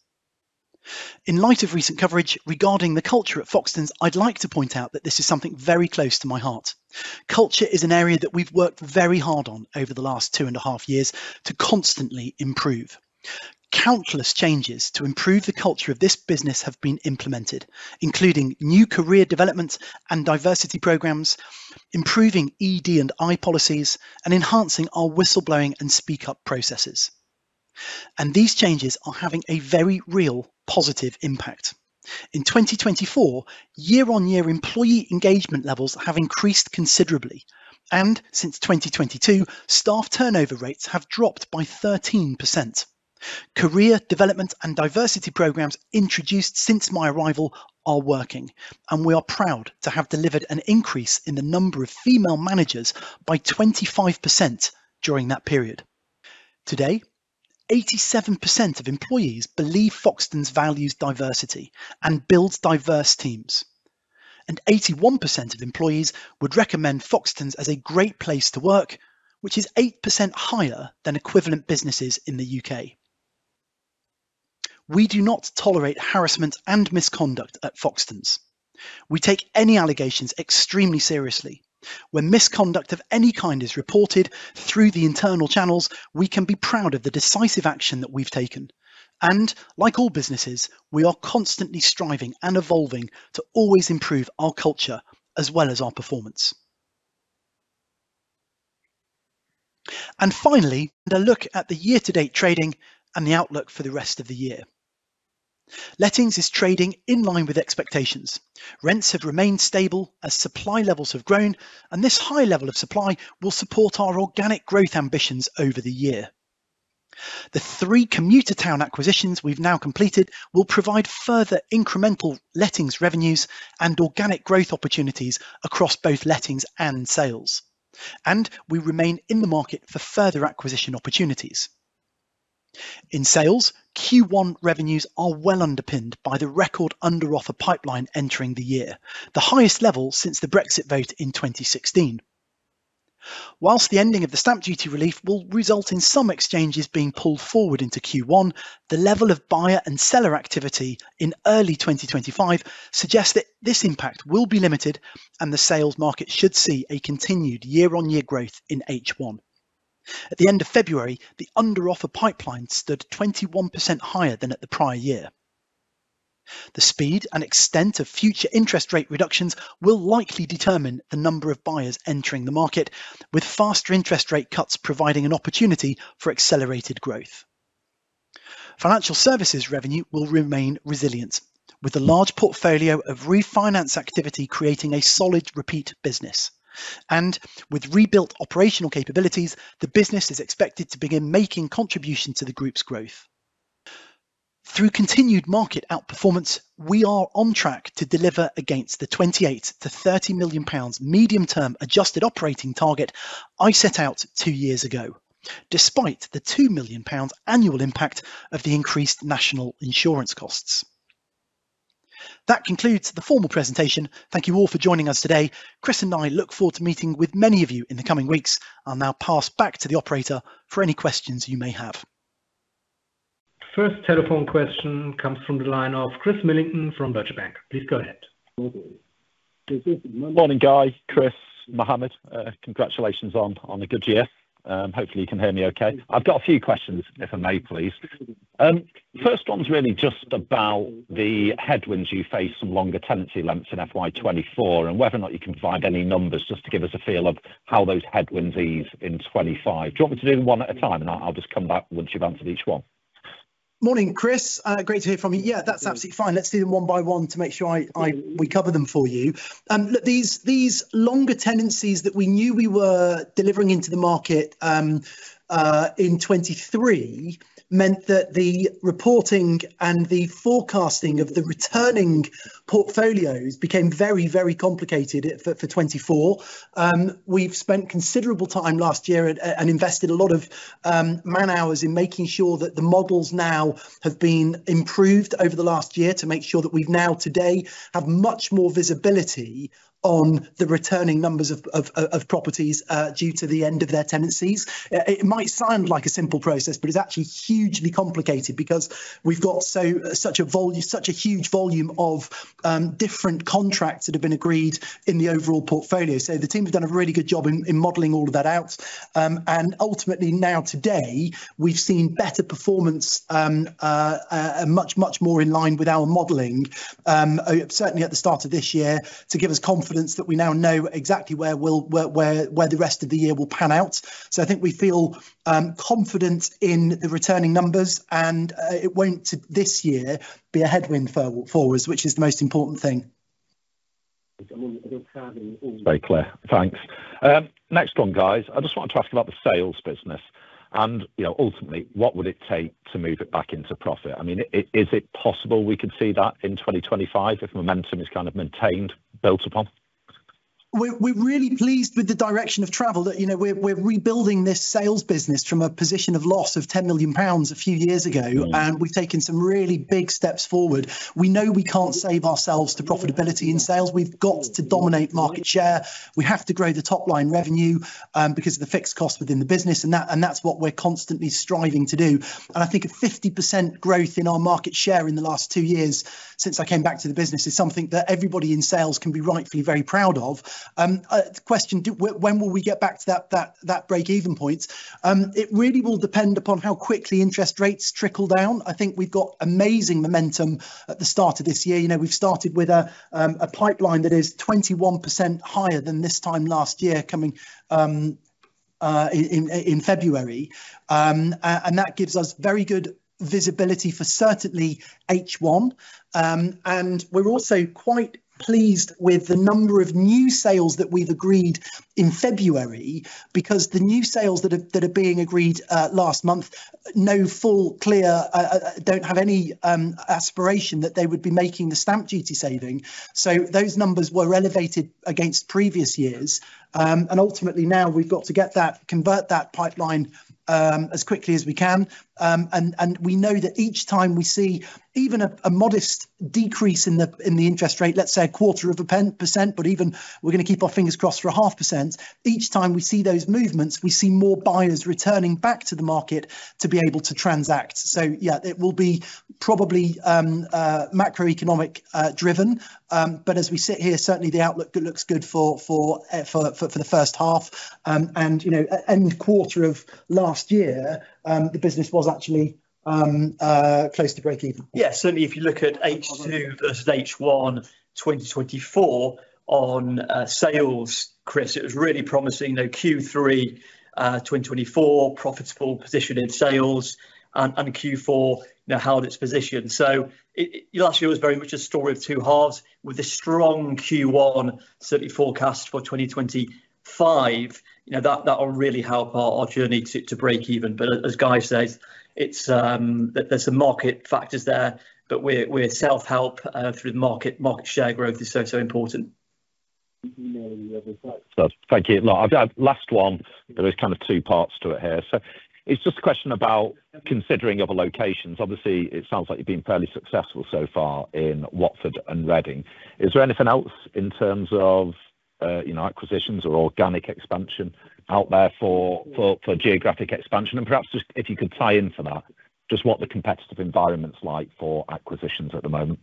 In light of recent coverage regarding the culture at Foxtons, I'd like to point out that this is something very close to my heart. Culture is an area that we've worked very hard on over the last two and a half years to constantly improve. Countless changes to improve the culture of this business have been implemented, including new career development and diversity programs, improving ED and I policies, and enhancing our whistle-blowing and speak-up processes. These changes are having a very real positive impact. In 2024, year-on-year employee engagement levels have increased considerably, and since 2022, staff turnover rates have dropped by 13%. Career development and diversity programs introduced since my arrival are working, and we are proud to have delivered an increase in the number of female managers by 25% during that period. Today, 87% of employees believe Foxtons values diversity and builds diverse teams, and 81% of employees would recommend Foxtons as a great place to work, which is 8% higher than equivalent businesses in the U.K. We do not tolerate harassment and misconduct at Foxtons. We take any allegations extremely seriously. When misconduct of any kind is reported through the internal channels, we can be proud of the decisive action that we've taken. Like all businesses, we are constantly striving and evolving to always improve our culture as well as our performance. Finally, a look at the year-to-date trading and the outlook for the rest of the year. Lettings is trading in line with expectations. Rents have remained stable as supply levels have grown, and this high level of supply will support our organic growth ambitions over the year. The three commuter town acquisitions we've now completed will provide further incremental Lettings revenues and organic growth opportunities across both Lettings and sales, and we remain in the market for further acquisition opportunities. In sales, Q1 revenues are well underpinned by the record under-offer pipeline entering the year, the highest level since the Brexit vote in 2016. Whilst the ending of the stamp duty relief will result in some exchanges being pulled forward into Q1, the level of buyer and seller activity in early 2025 suggests that this impact will be limited, and the sales market should see a continued year-on-year growth in H1. At the end of February, the under-offer pipeline stood 21% higher than at the prior year. The speed and extent of future interest rate reductions will likely determine the number of buyers entering the market, with faster interest rate cuts providing an opportunity for accelerated growth. Financial services revenue will remain resilient, with a large portfolio of refinance activity creating a solid repeat business. With rebuilt operational capabilities, the business is expected to begin making contributions to the group's growth. Through continued market outperformance, we are on track to deliver against the 28 million-30 million pounds medium-term adjusted operating target I set out two years ago, despite the 2 million pounds annual impact of the increased national insurance costs. That concludes the formal presentation. Thank you all for joining us today. Chris and I look forward to meeting with many of you in the coming weeks. I'll now pass back to the operator for any questions you may have. First telephone question comes from the line of Chris Millington from Deutsche Bank. Please go ahead. Morning, Guy. Chris, Muhammad, congratulations on a good year. Hopefully, you can hear me okay. I've got a few questions, if I may, please. First one's really just about the headwinds you face from longer tenancy lengths in FY24 and whether or not you can provide any numbers just to give us a feel of how those headwinds ease in 2025. Do you want me to do them one at a time, and I'll just come back once you've answered each one? Morning, Chris. Great to hear from you. Yeah, that's absolutely fine. Let's do them one by one to make sure we cover them for you. These longer tenancies that we knew we were delivering into the market in 2023 meant that the reporting and the forecasting of the returning portfolios became very, very complicated for 2024. We've spent considerable time last year and invested a lot of man hours in making sure that the models now have been improved over the last year to make sure that we've now today have much more visibility on the returning numbers of properties due to the end of their tenancies. It might sound like a simple process, but it's actually hugely complicated because we've got such a huge volume of different contracts that have been agreed in the overall portfolio. The team has done a really good job in modeling all of that out. Ultimately, now today, we've seen better performance, much, much more in line with our modeling, certainly at the start of this year, to give us confidence that we now know exactly where the rest of the year will pan out. I think we feel confident in the returning numbers, and it won't, this year, be a headwind for us, which is the most important thing. Very clear. Thanks. Next one, guys. I just wanted to ask about the sales business. Ultimately, what would it take to move it back into profit? I mean, is it possible we could see that in 2025 if momentum is kind of maintained, built upon? We're really pleased with the direction of travel. We're rebuilding this sales business from a position of loss of 10 million pounds a few years ago, and we've taken some really big steps forward. We know we can't save ourselves to profitability in sales. We've got to dominate market share. We have to grow the top-line revenue because of the fixed costs within the business, and that's what we're constantly striving to do. I think a 50% growth in our market share in the last two years since I came back to the business is something that everybody in sales can be rightfully very proud of. The question, when will we get back to that break-even point? It really will depend upon how quickly interest rates trickle down. I think we've got amazing momentum at the start of this year. We've started with a pipeline that is 21% higher than this time last year coming in February. That gives us very good visibility for certainly H1. We're also quite pleased with the number of new sales that we've agreed in February because the new sales that are being agreed last month, no full clear, don't have any aspiration that they would be making the stamp duty saving. Those numbers were elevated against previous years. Ultimately, now we've got to convert that pipeline as quickly as we can. We know that each time we see even a modest decrease in the interest rate, let's say a quarter of a percent, but even we're going to keep our fingers crossed for a half percent, each time we see those movements, we see more buyers returning back to the market to be able to transact. Yeah, it will be probably macroeconomic driven. As we sit here, certainly the outlook looks good for the first half and end quarter of last year. The business was actually close to break-even. Yeah, certainly if you look at H2 versus H1 2024 on sales, Chris, it was really promising. Q3 2024, profitable position in sales, and Q4 held its position. Last year was very much a story of two halves with a strong Q1 certainly forecast for 2025. That will really help our journey to break even. As Guy says, there are some market factors there, but our self-help through the market share growth is so important. Thank you. Last one, there are kind of two parts to it here. It is just a question about considering other locations. Obviously, it sounds like you have been fairly successful so far in Watford and Reading. Is there anything else in terms of acquisitions or organic expansion out there for geographic expansion? Perhaps if you could tie into that, just what the competitive environment is like for acquisitions at the moment.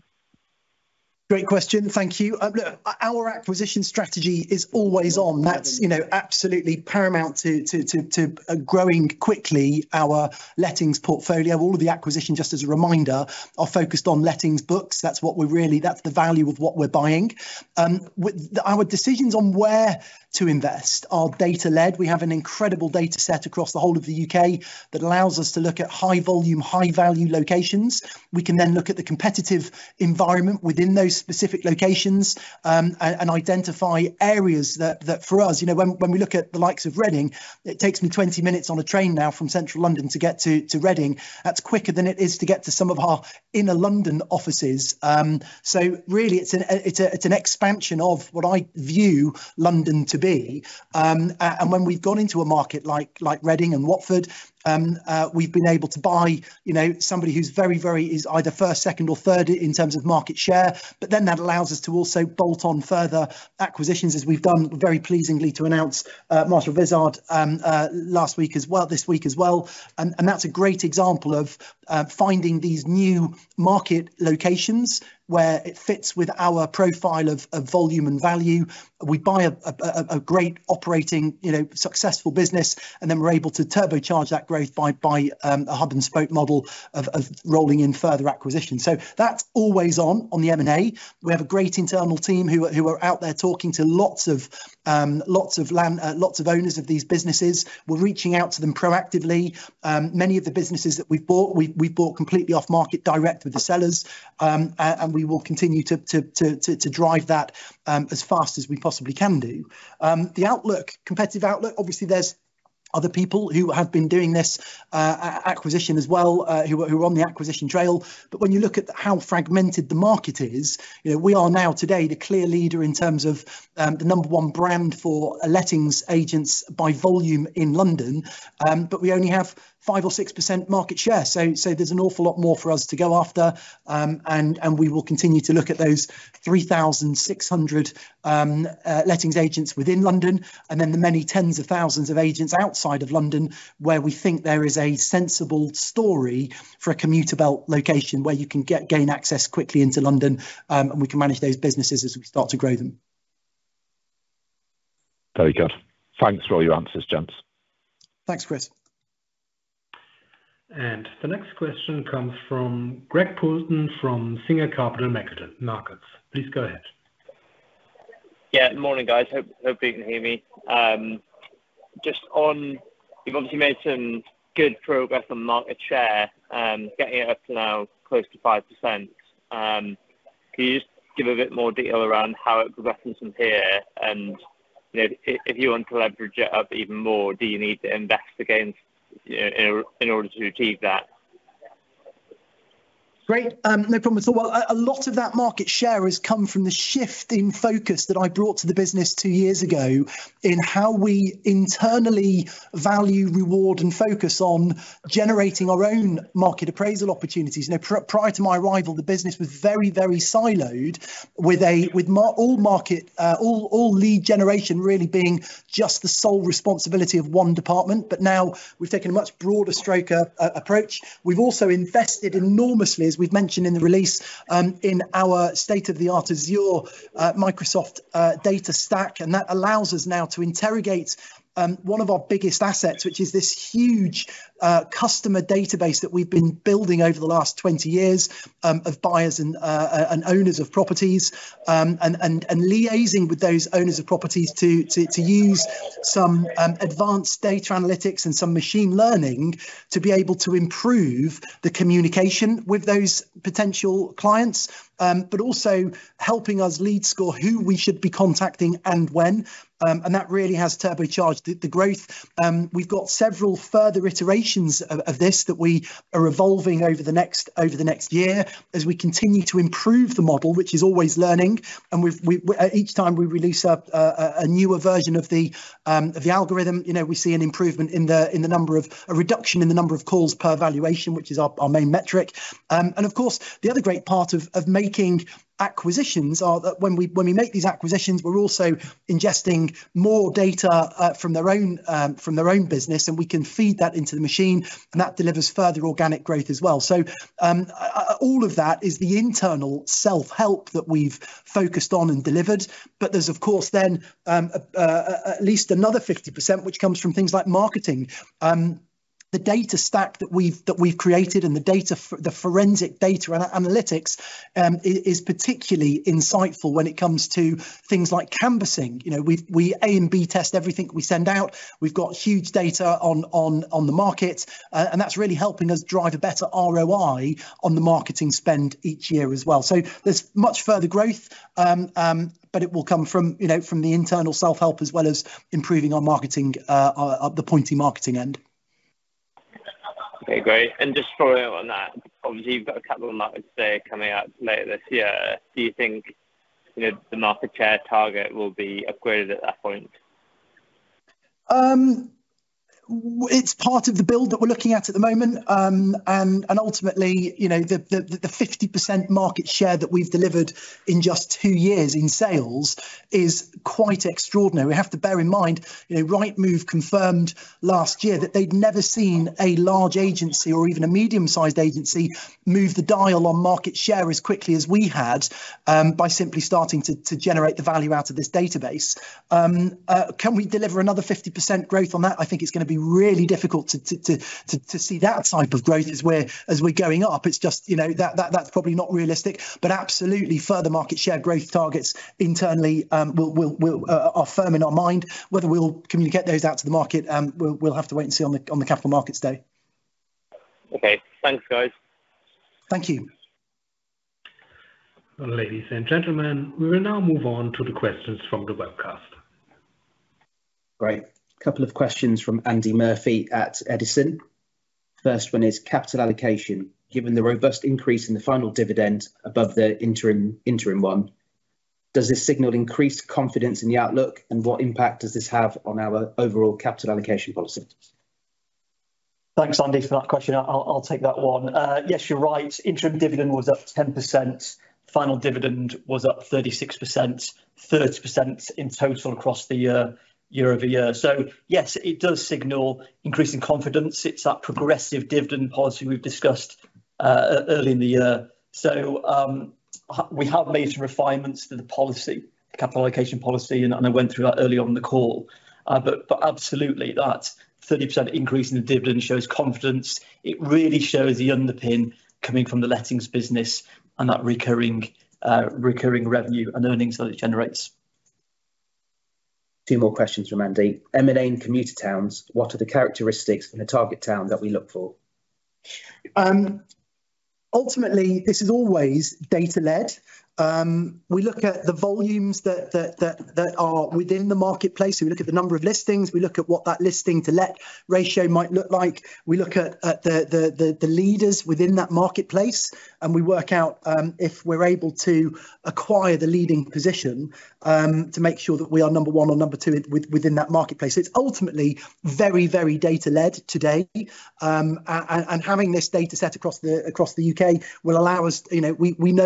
Great question. Thank you. Our acquisition strategy is always on. That is absolutely paramount to growing quickly our Lettings portfolio. All of the acquisition, just as a reminder, are focused on Lettings books. That's what we really, that's the value of what we're buying. Our decisions on where to invest are data-led. We have an incredible data set across the whole of the U.K. that allows us to look at high-volume, high-value locations. We can then look at the competitive environment within those specific locations and identify areas that for us, when we look at the likes of reading, it takes me 20 minutes on a train now from central London to get to reading. That's quicker than it is to get to some of our inner London offices. Really, it's an expansion of what I view London to be. When we've gone into a market like reading and Watford, we've been able to buy somebody who is very, very, is either first, second, or third in terms of market share. That allows us to also bolt on further acquisitions, as we've done very pleasingly to announce Marshall Vizard last week as well, this week as well. That's a great example of finding these new market locations where it fits with our profile of volume and value. We buy a great operating, successful business, and then we're able to turbocharge that growth by a hub-and-spoke model of rolling in further acquisitions. That's always on the M&A. We have a great internal team who are out there talking to lots of owners of these businesses. We're reaching out to them proactively. Many of the businesses that we've bought, we've bought completely off-market direct with the sellers, and we will continue to drive that as fast as we possibly can do. The outlook, competitive outlook, obviously, there's other people who have been doing this acquisition as well, who are on the acquisition trail. When you look at how fragmented the market is, we are now today the clear leader in terms of the number one brand for Lettings agents by volume in London, but we only have five-6% market share. There's an awful lot more for us to go after, and we will continue to look at those 3,600 Lettings agents within London and then the many tens of thousands of agents outside of London where we think there is a sensible story for a commuter belt location where you can gain access quickly into London, and we can manage those businesses as we start to grow them. Very good. Thanks for all your answers, gents. Thanks, Chris. The next question comes from Greg Poulton from Singer Capital Markets. Please go ahead. Yeah, morning, guys. Hope you can hear me. Just on, you've obviously made some good progress on market share, getting it up to now close to 5%. Can you just give a bit more detail around how it progresses from here? And if you want to leverage it up even more, do you need to invest again in order to achieve that? Great. No problem at all. A lot of that market share has come from the shift in focus that I brought to the business two years ago in how we internally value, reward, and focus on generating our own market appraisal opportunities. Prior to my arrival, the business was very, very siloed, with all lead generation really being just the sole responsibility of one department. We have taken a much broader stroke approach. We have also invested enormously, as we have mentioned in the release, in our state-of-the-art Azure Microsoft data stack. That allows us now to interrogate one of our biggest assets, which is this huge customer database that we have been building over the last 20 years of buyers and owners of properties and liaising with those owners of properties to use some advanced data analytics and some machine learning to be able to improve the communication with those potential clients, but also helping us lead score who we should be contacting and when. That really has turbocharged the growth. We have got several further iterations of this that we are evolving over the next year as we continue to improve the model, which is always learning. Each time we release a newer version of the algorithm, we see an improvement in the number of a reduction in the number of calls per valuation, which is our main metric. Of course, the other great part of making acquisitions is that when we make these acquisitions, we're also ingesting more data from their own business, and we can feed that into the machine, and that delivers further organic growth as well. All of that is the internal self-help that we've focused on and delivered. There is, of course, then at least another 50% which comes from things like marketing. The data stack that we've created and the forensic data analytics is particularly insightful when it comes to things like canvassing. We A and B test everything we send out. We've got huge data on the market, and that's really helping us drive a better ROI on the marketing spend each year as well. There is much further growth, but it will come from the internal self-help as well as improving our marketing, the pointy marketing end. Okay, great. Just following on that, obviously, you've got a couple of markets coming out later this year. Do you think the market share target will be upgraded at that point? It's part of the build that we're looking at at the moment. Ultimately, the 50% market share that we've delivered in just two years in sales is quite extraordinary. We have to bear in mind, Rightmove confirmed last year that they'd never seen a large agency or even a medium-sized agency move the dial on market share as quickly as we had by simply starting to generate the value out of this database. Can we deliver another 50% growth on that? I think it's going to be really difficult to see that type of growth as we're going up. It's just that's probably not realistic. Absolutely, further market share growth targets internally are firm in our mind. Whether we'll communicate those out to the market, we'll have to wait and see on the capital markets day. Okay. Thanks, guys. Thank you. Ladies and gentlemen, we will now move on to the questions from the webcast. Great. Couple of questions from Andy Murphy at Edison. First one is capital allocation. Given the robust increase in the final dividend above the interim one, does this signal increased confidence in the outlook? What impact does this have on our overall capital allocation policy? Thanks, Andy, for that question. I'll take that one. Yes, you're right. Interim dividend was up 10%. Final dividend was up 36%, 30% in total across the year-over-year. Yes, it does signal increasing confidence. It's that progressive dividend policy we've discussed early in the year. We have made some refinements to the policy, the capital allocation policy, and I went through that early on in the call. Absolutely, that 30% increase in the dividend shows confidence. It really shows the underpin coming from the Lettings business and that recurring revenue and earnings that it generates. Two more questions from Andy. M&A and commuter towns, what are the characteristics in a target town that we look for? Ultimately, this is always data-led. We look at the volumes that are within the marketplace. We look at the number of listings. We look at what that listing-to-let ratio might look like. We look at the leaders within that marketplace, and we work out if we're able to acquire the leading position to make sure that we are number one or number two within that marketplace. It is ultimately very, very data-led today. Having this data set across the U.K. will allow us to know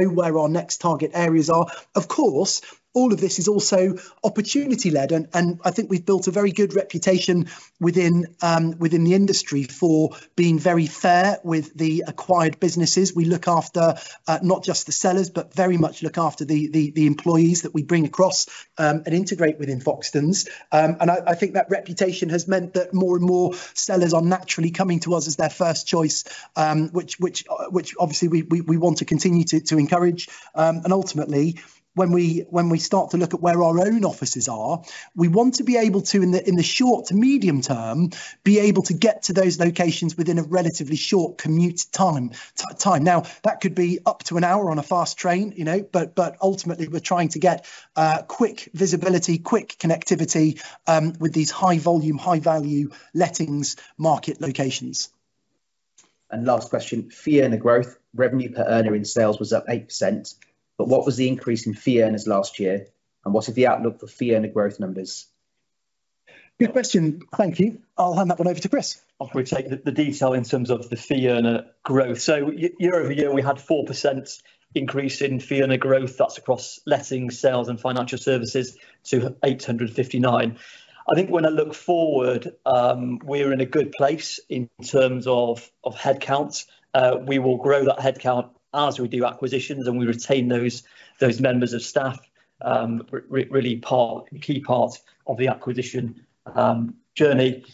where our next target areas are. Of course, all of this is also opportunity-led. I think we've built a very good reputation within the industry for being very fair with the acquired businesses. We look after not just the sellers, but very much look after the employees that we bring across and integrate within Foxtons. I think that reputation has meant that more and more sellers are naturally coming to us as their first choice, which obviously we want to continue to encourage. Ultimately, when we start to look at where our own offices are, we want to be able to, in the short to medium term, be able to get to those locations within a relatively short commute time. That could be up to an hour on a fast train, but ultimately, we're trying to get quick visibility, quick connectivity with these high-volume, high-value Lettings market locations. Last question, fee earner growth. Revenue per earner in sales was up 8%. What was the increase in fee earners last year? What is the outlook for fee earner growth numbers? Good question. Thank you. I'll hand that one over to Chris. I'll probably take the detail in terms of the fee earner growth. Year-over-year, we had 4% increase in fee earner growth. That's across Lettings, sales, and financial services to 859. I think when I look forward, we're in a good place in terms of headcount. We will grow that headcount as we do acquisitions, and we retain those members of staff, really key part of the acquisition journey.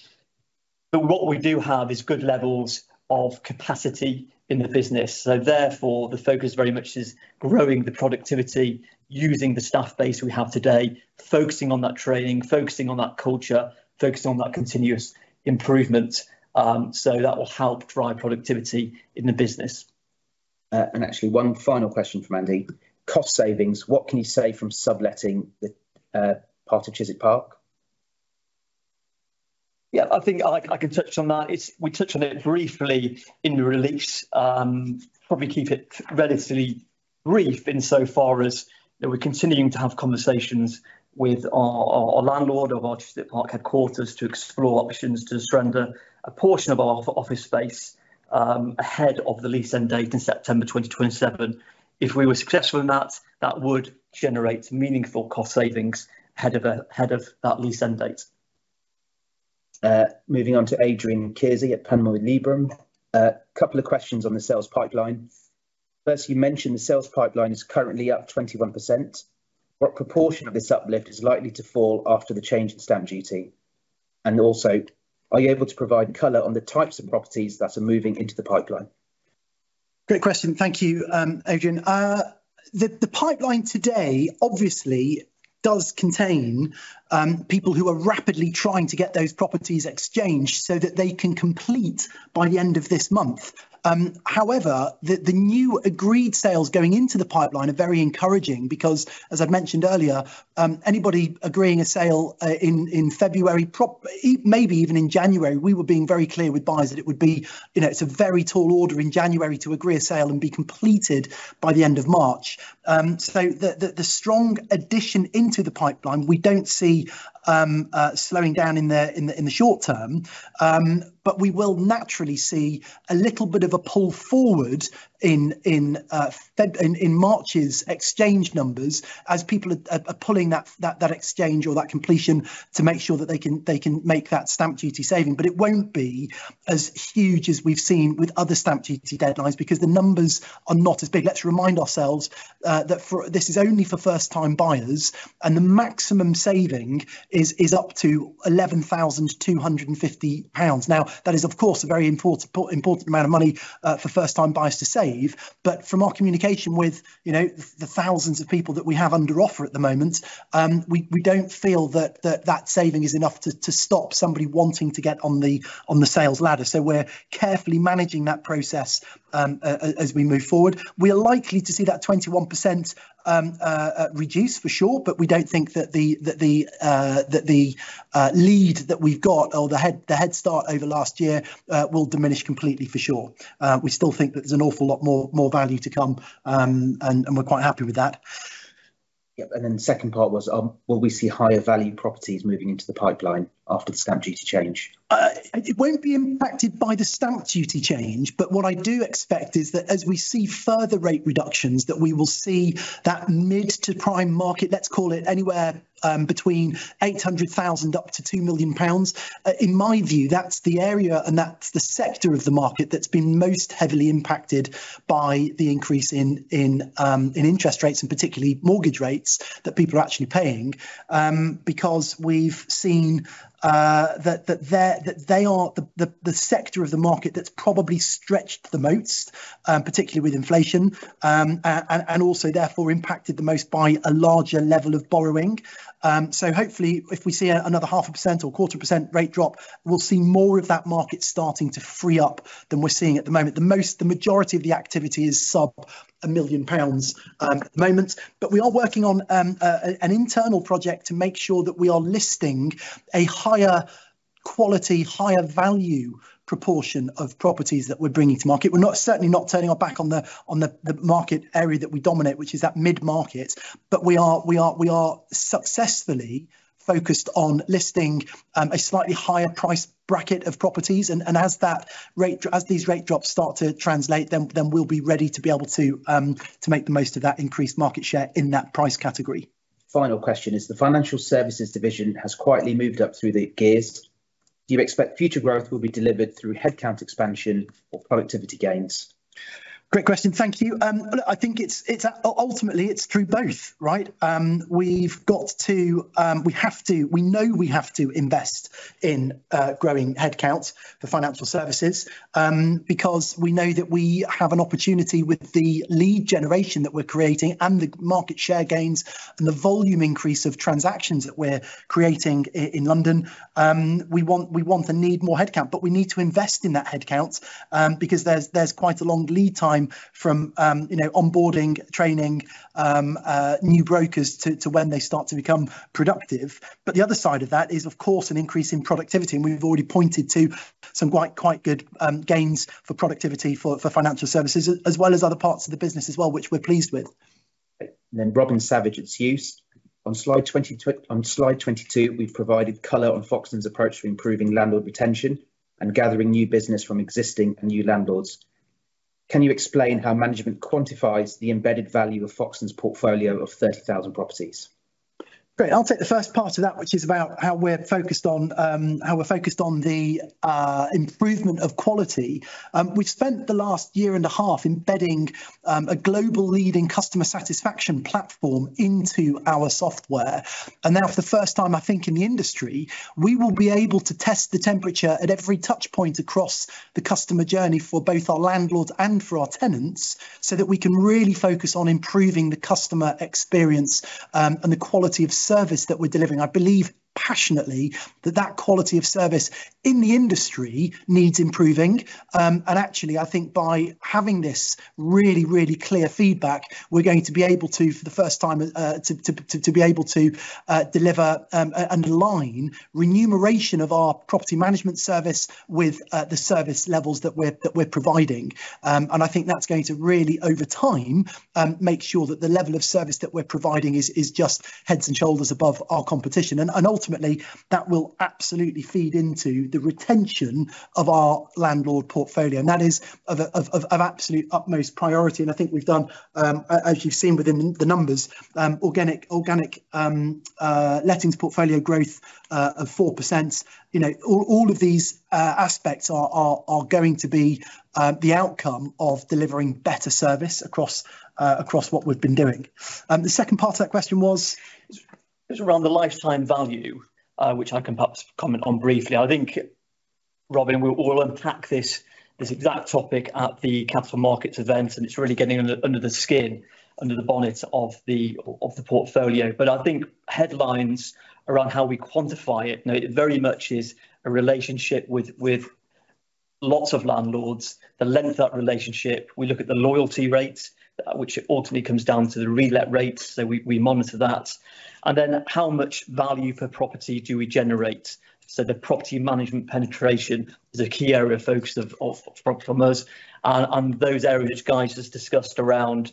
What we do have is good levels of capacity in the business. Therefore, the focus very much is growing the productivity, using the staff base we have today, focusing on that training, focusing on that culture, focusing on that continuous improvement. That will help drive productivity in the business. Actually, one final question from Andy. Cost savings, what can you say from subLetting the part of Chiswick Park? Yeah, I think I can touch on that. We touched on it briefly in the release. Probably keep it relatively brief in so far as we're continuing to have conversations with our landlord of our Chiswick Park headquarters to explore options to surrender a portion of our office space ahead of the lease end date in September 2027. If we were successful in that, that would generate meaningful cost savings ahead of that lease end date. Moving on to Adrian Kearsey at Panmure Liberum. A couple of questions on the sales pipeline. First, you mentioned the sales pipeline is currently up 21%. What proportion of this uplift is likely to fall after the change in stamp duty? Are you able to provide color on the types of properties that are moving into the pipeline? Great question. Thank you, Adrian. The pipeline today obviously does contain people who are rapidly trying to get those properties exchanged so that they can complete by the end of this month. However, the new agreed sales going into the pipeline are very encouraging because, as I've mentioned earlier, anybody agreeing a sale in February, maybe even in January, we were being very clear with buyers that it would be it's a very tall order in January to agree a sale and be completed by the end of March. The strong addition into the pipeline, we do not see slowing down in the short term, but we will naturally see a little bit of a pull forward in March's exchange numbers as people are pulling that exchange or that completion to make sure that they can make that stamp duty saving. It will not be as huge as we have seen with other stamp duty deadlines because the numbers are not as big. Let's remind ourselves that this is only for first-time buyers, and the maximum saving is up to 11,250 pounds. That is, of course, a very important amount of money for first-time buyers to save. From our communication with the thousands of people that we have under offer at the moment, we do not feel that that saving is enough to stop somebody wanting to get on the sales ladder. We're carefully managing that process as we move forward. We are likely to see that 21% reduce for sure, but we don't think that the lead that we've got or the headstart over last year will diminish completely for sure. We still think that there's an awful lot more value to come, and we're quite happy with that. Yep. The second part was, will we see higher value properties moving into the pipeline after the stamp duty change? It won't be impacted by the stamp duty change, but what I do expect is that as we see further rate reductions, we will see that mid to prime market, let's call it anywhere between 800,000-2 million pounds. In my view, that's the area and that's the sector of the market that's been most heavily impacted by the increase in interest rates and particularly mortgage rates that people are actually paying because we've seen that they are the sector of the market that's probably stretched the most, particularly with inflation, and also therefore impacted the most by a larger level of borrowing. Hopefully, if we see another 0.5% or 0.25% rate drop, we'll see more of that market starting to free up than we're seeing at the moment. The majority of the activity is sub 1 million pounds at the moment. We are working on an internal project to make sure that we are listing a higher quality, higher value proportion of properties that we're bringing to market. We're certainly not turning our back on the market area that we dominate, which is that mid-market, but we are successfully focused on listing a slightly higher price bracket of properties. As these rate drops start to translate, we will be ready to be able to make the most of that increased market share in that price category. Final question is, the financial services division has quietly moved up through the gears. Do you expect future growth will be delivered through headcount expansion or productivity gains? Great question. Thank you. Look, I think ultimately it's through both, right? We've got to, we have to, we know we have to invest in growing headcount for financial services because we know that we have an opportunity with the lead generation that we're creating and the market share gains and the volume increase of transactions that we're creating in London. We want and need more headcount, but we need to invest in that headcount because there's quite a long lead time from onboarding, training new brokers to when they start to become productive. The other side of that is, of course, an increase in productivity. We've already pointed to some quite good gains for productivity for financial services, as well as other parts of the business as well, which we're pleased with. Robin Savage at Citi. On slide 22, we've provided color on Foxtons' approach for improving landlord retention and gathering new business from existing and new landlords. Can you explain how management quantifies the embedded value of Foxtons' portfolio of 30,000 properties? Great. I'll take the first part of that, which is about how we're focused on the improvement of quality. We've spent the last year and a half embedding a global leading customer satisfaction platform into our software. Now, for the first time, I think in the industry, we will be able to test the temperature at every touchpoint across the customer journey for both our landlords and for our tenants so that we can really focus on improving the customer experience and the quality of service that we're delivering. I believe passionately that that quality of service in the industry needs improving. Actually, I think by having this really, really clear feedback, we're going to be able to, for the first time, be able to deliver and align remuneration of our property management service with the service levels that we're providing. I think that's going to really, over time, make sure that the level of service that we're providing is just heads and shoulders above our competition. Ultimately, that will absolutely feed into the retention of our landlord portfolio. That is of absolute utmost priority. I think we've done, as you've seen within the numbers, organic Lettings portfolio growth of 4%. All of these aspects are going to be the outcome of delivering better service across what we've been doing. The second part of that question was around the lifetime value, which I can perhaps comment on briefly. I think, Robin, we'll unpack this exact topic at the Capital Markets event, and it's really getting under the skin, under the bonnet of the portfolio. I think headlines around how we quantify it, it very much is a relationship with lots of landlords. The length of that relationship, we look at the loyalty rates, which ultimately comes down to the relet rates. We monitor that. And then how much value per property do we generate? The property management penetration is a key area of focus for us. Those areas, guys just discussed around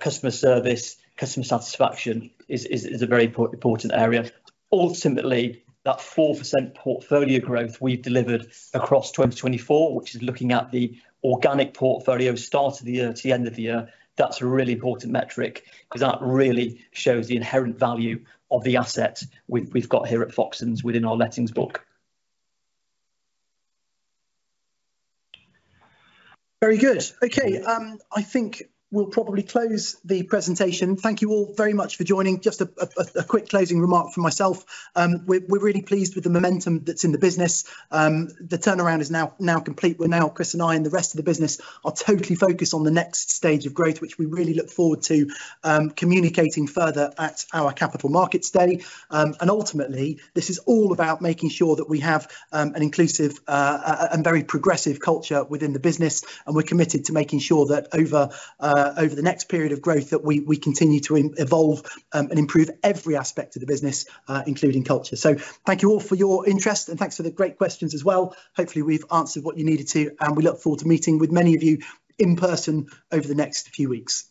customer service, customer satisfaction is a very important area. Ultimately, that 4% portfolio growth we've delivered across 2024, which is looking at the organic portfolio start of the year to the end of the year, that's a really important metric because that really shows the inherent value of the asset we've got here at Foxtons within our Lettings book. Very good. Okay. I think we'll probably close the presentation. Thank you all very much for joining. Just a quick closing remark for myself. We're really pleased with the momentum that's in the business. The turnaround is now complete. We are now, Chris and I and the rest of the business are totally focused on the next stage of growth, which we really look forward to communicating further at our Capital Markets day. Ultimately, this is all about making sure that we have an inclusive and very progressive culture within the business. We are committed to making sure that over the next period of growth that we continue to evolve and improve every aspect of the business, including culture. Thank you all for your interest, and thanks for the great questions as well. Hopefully, we have answered what you needed to, and we look forward to meeting with many of you in person over the next few weeks.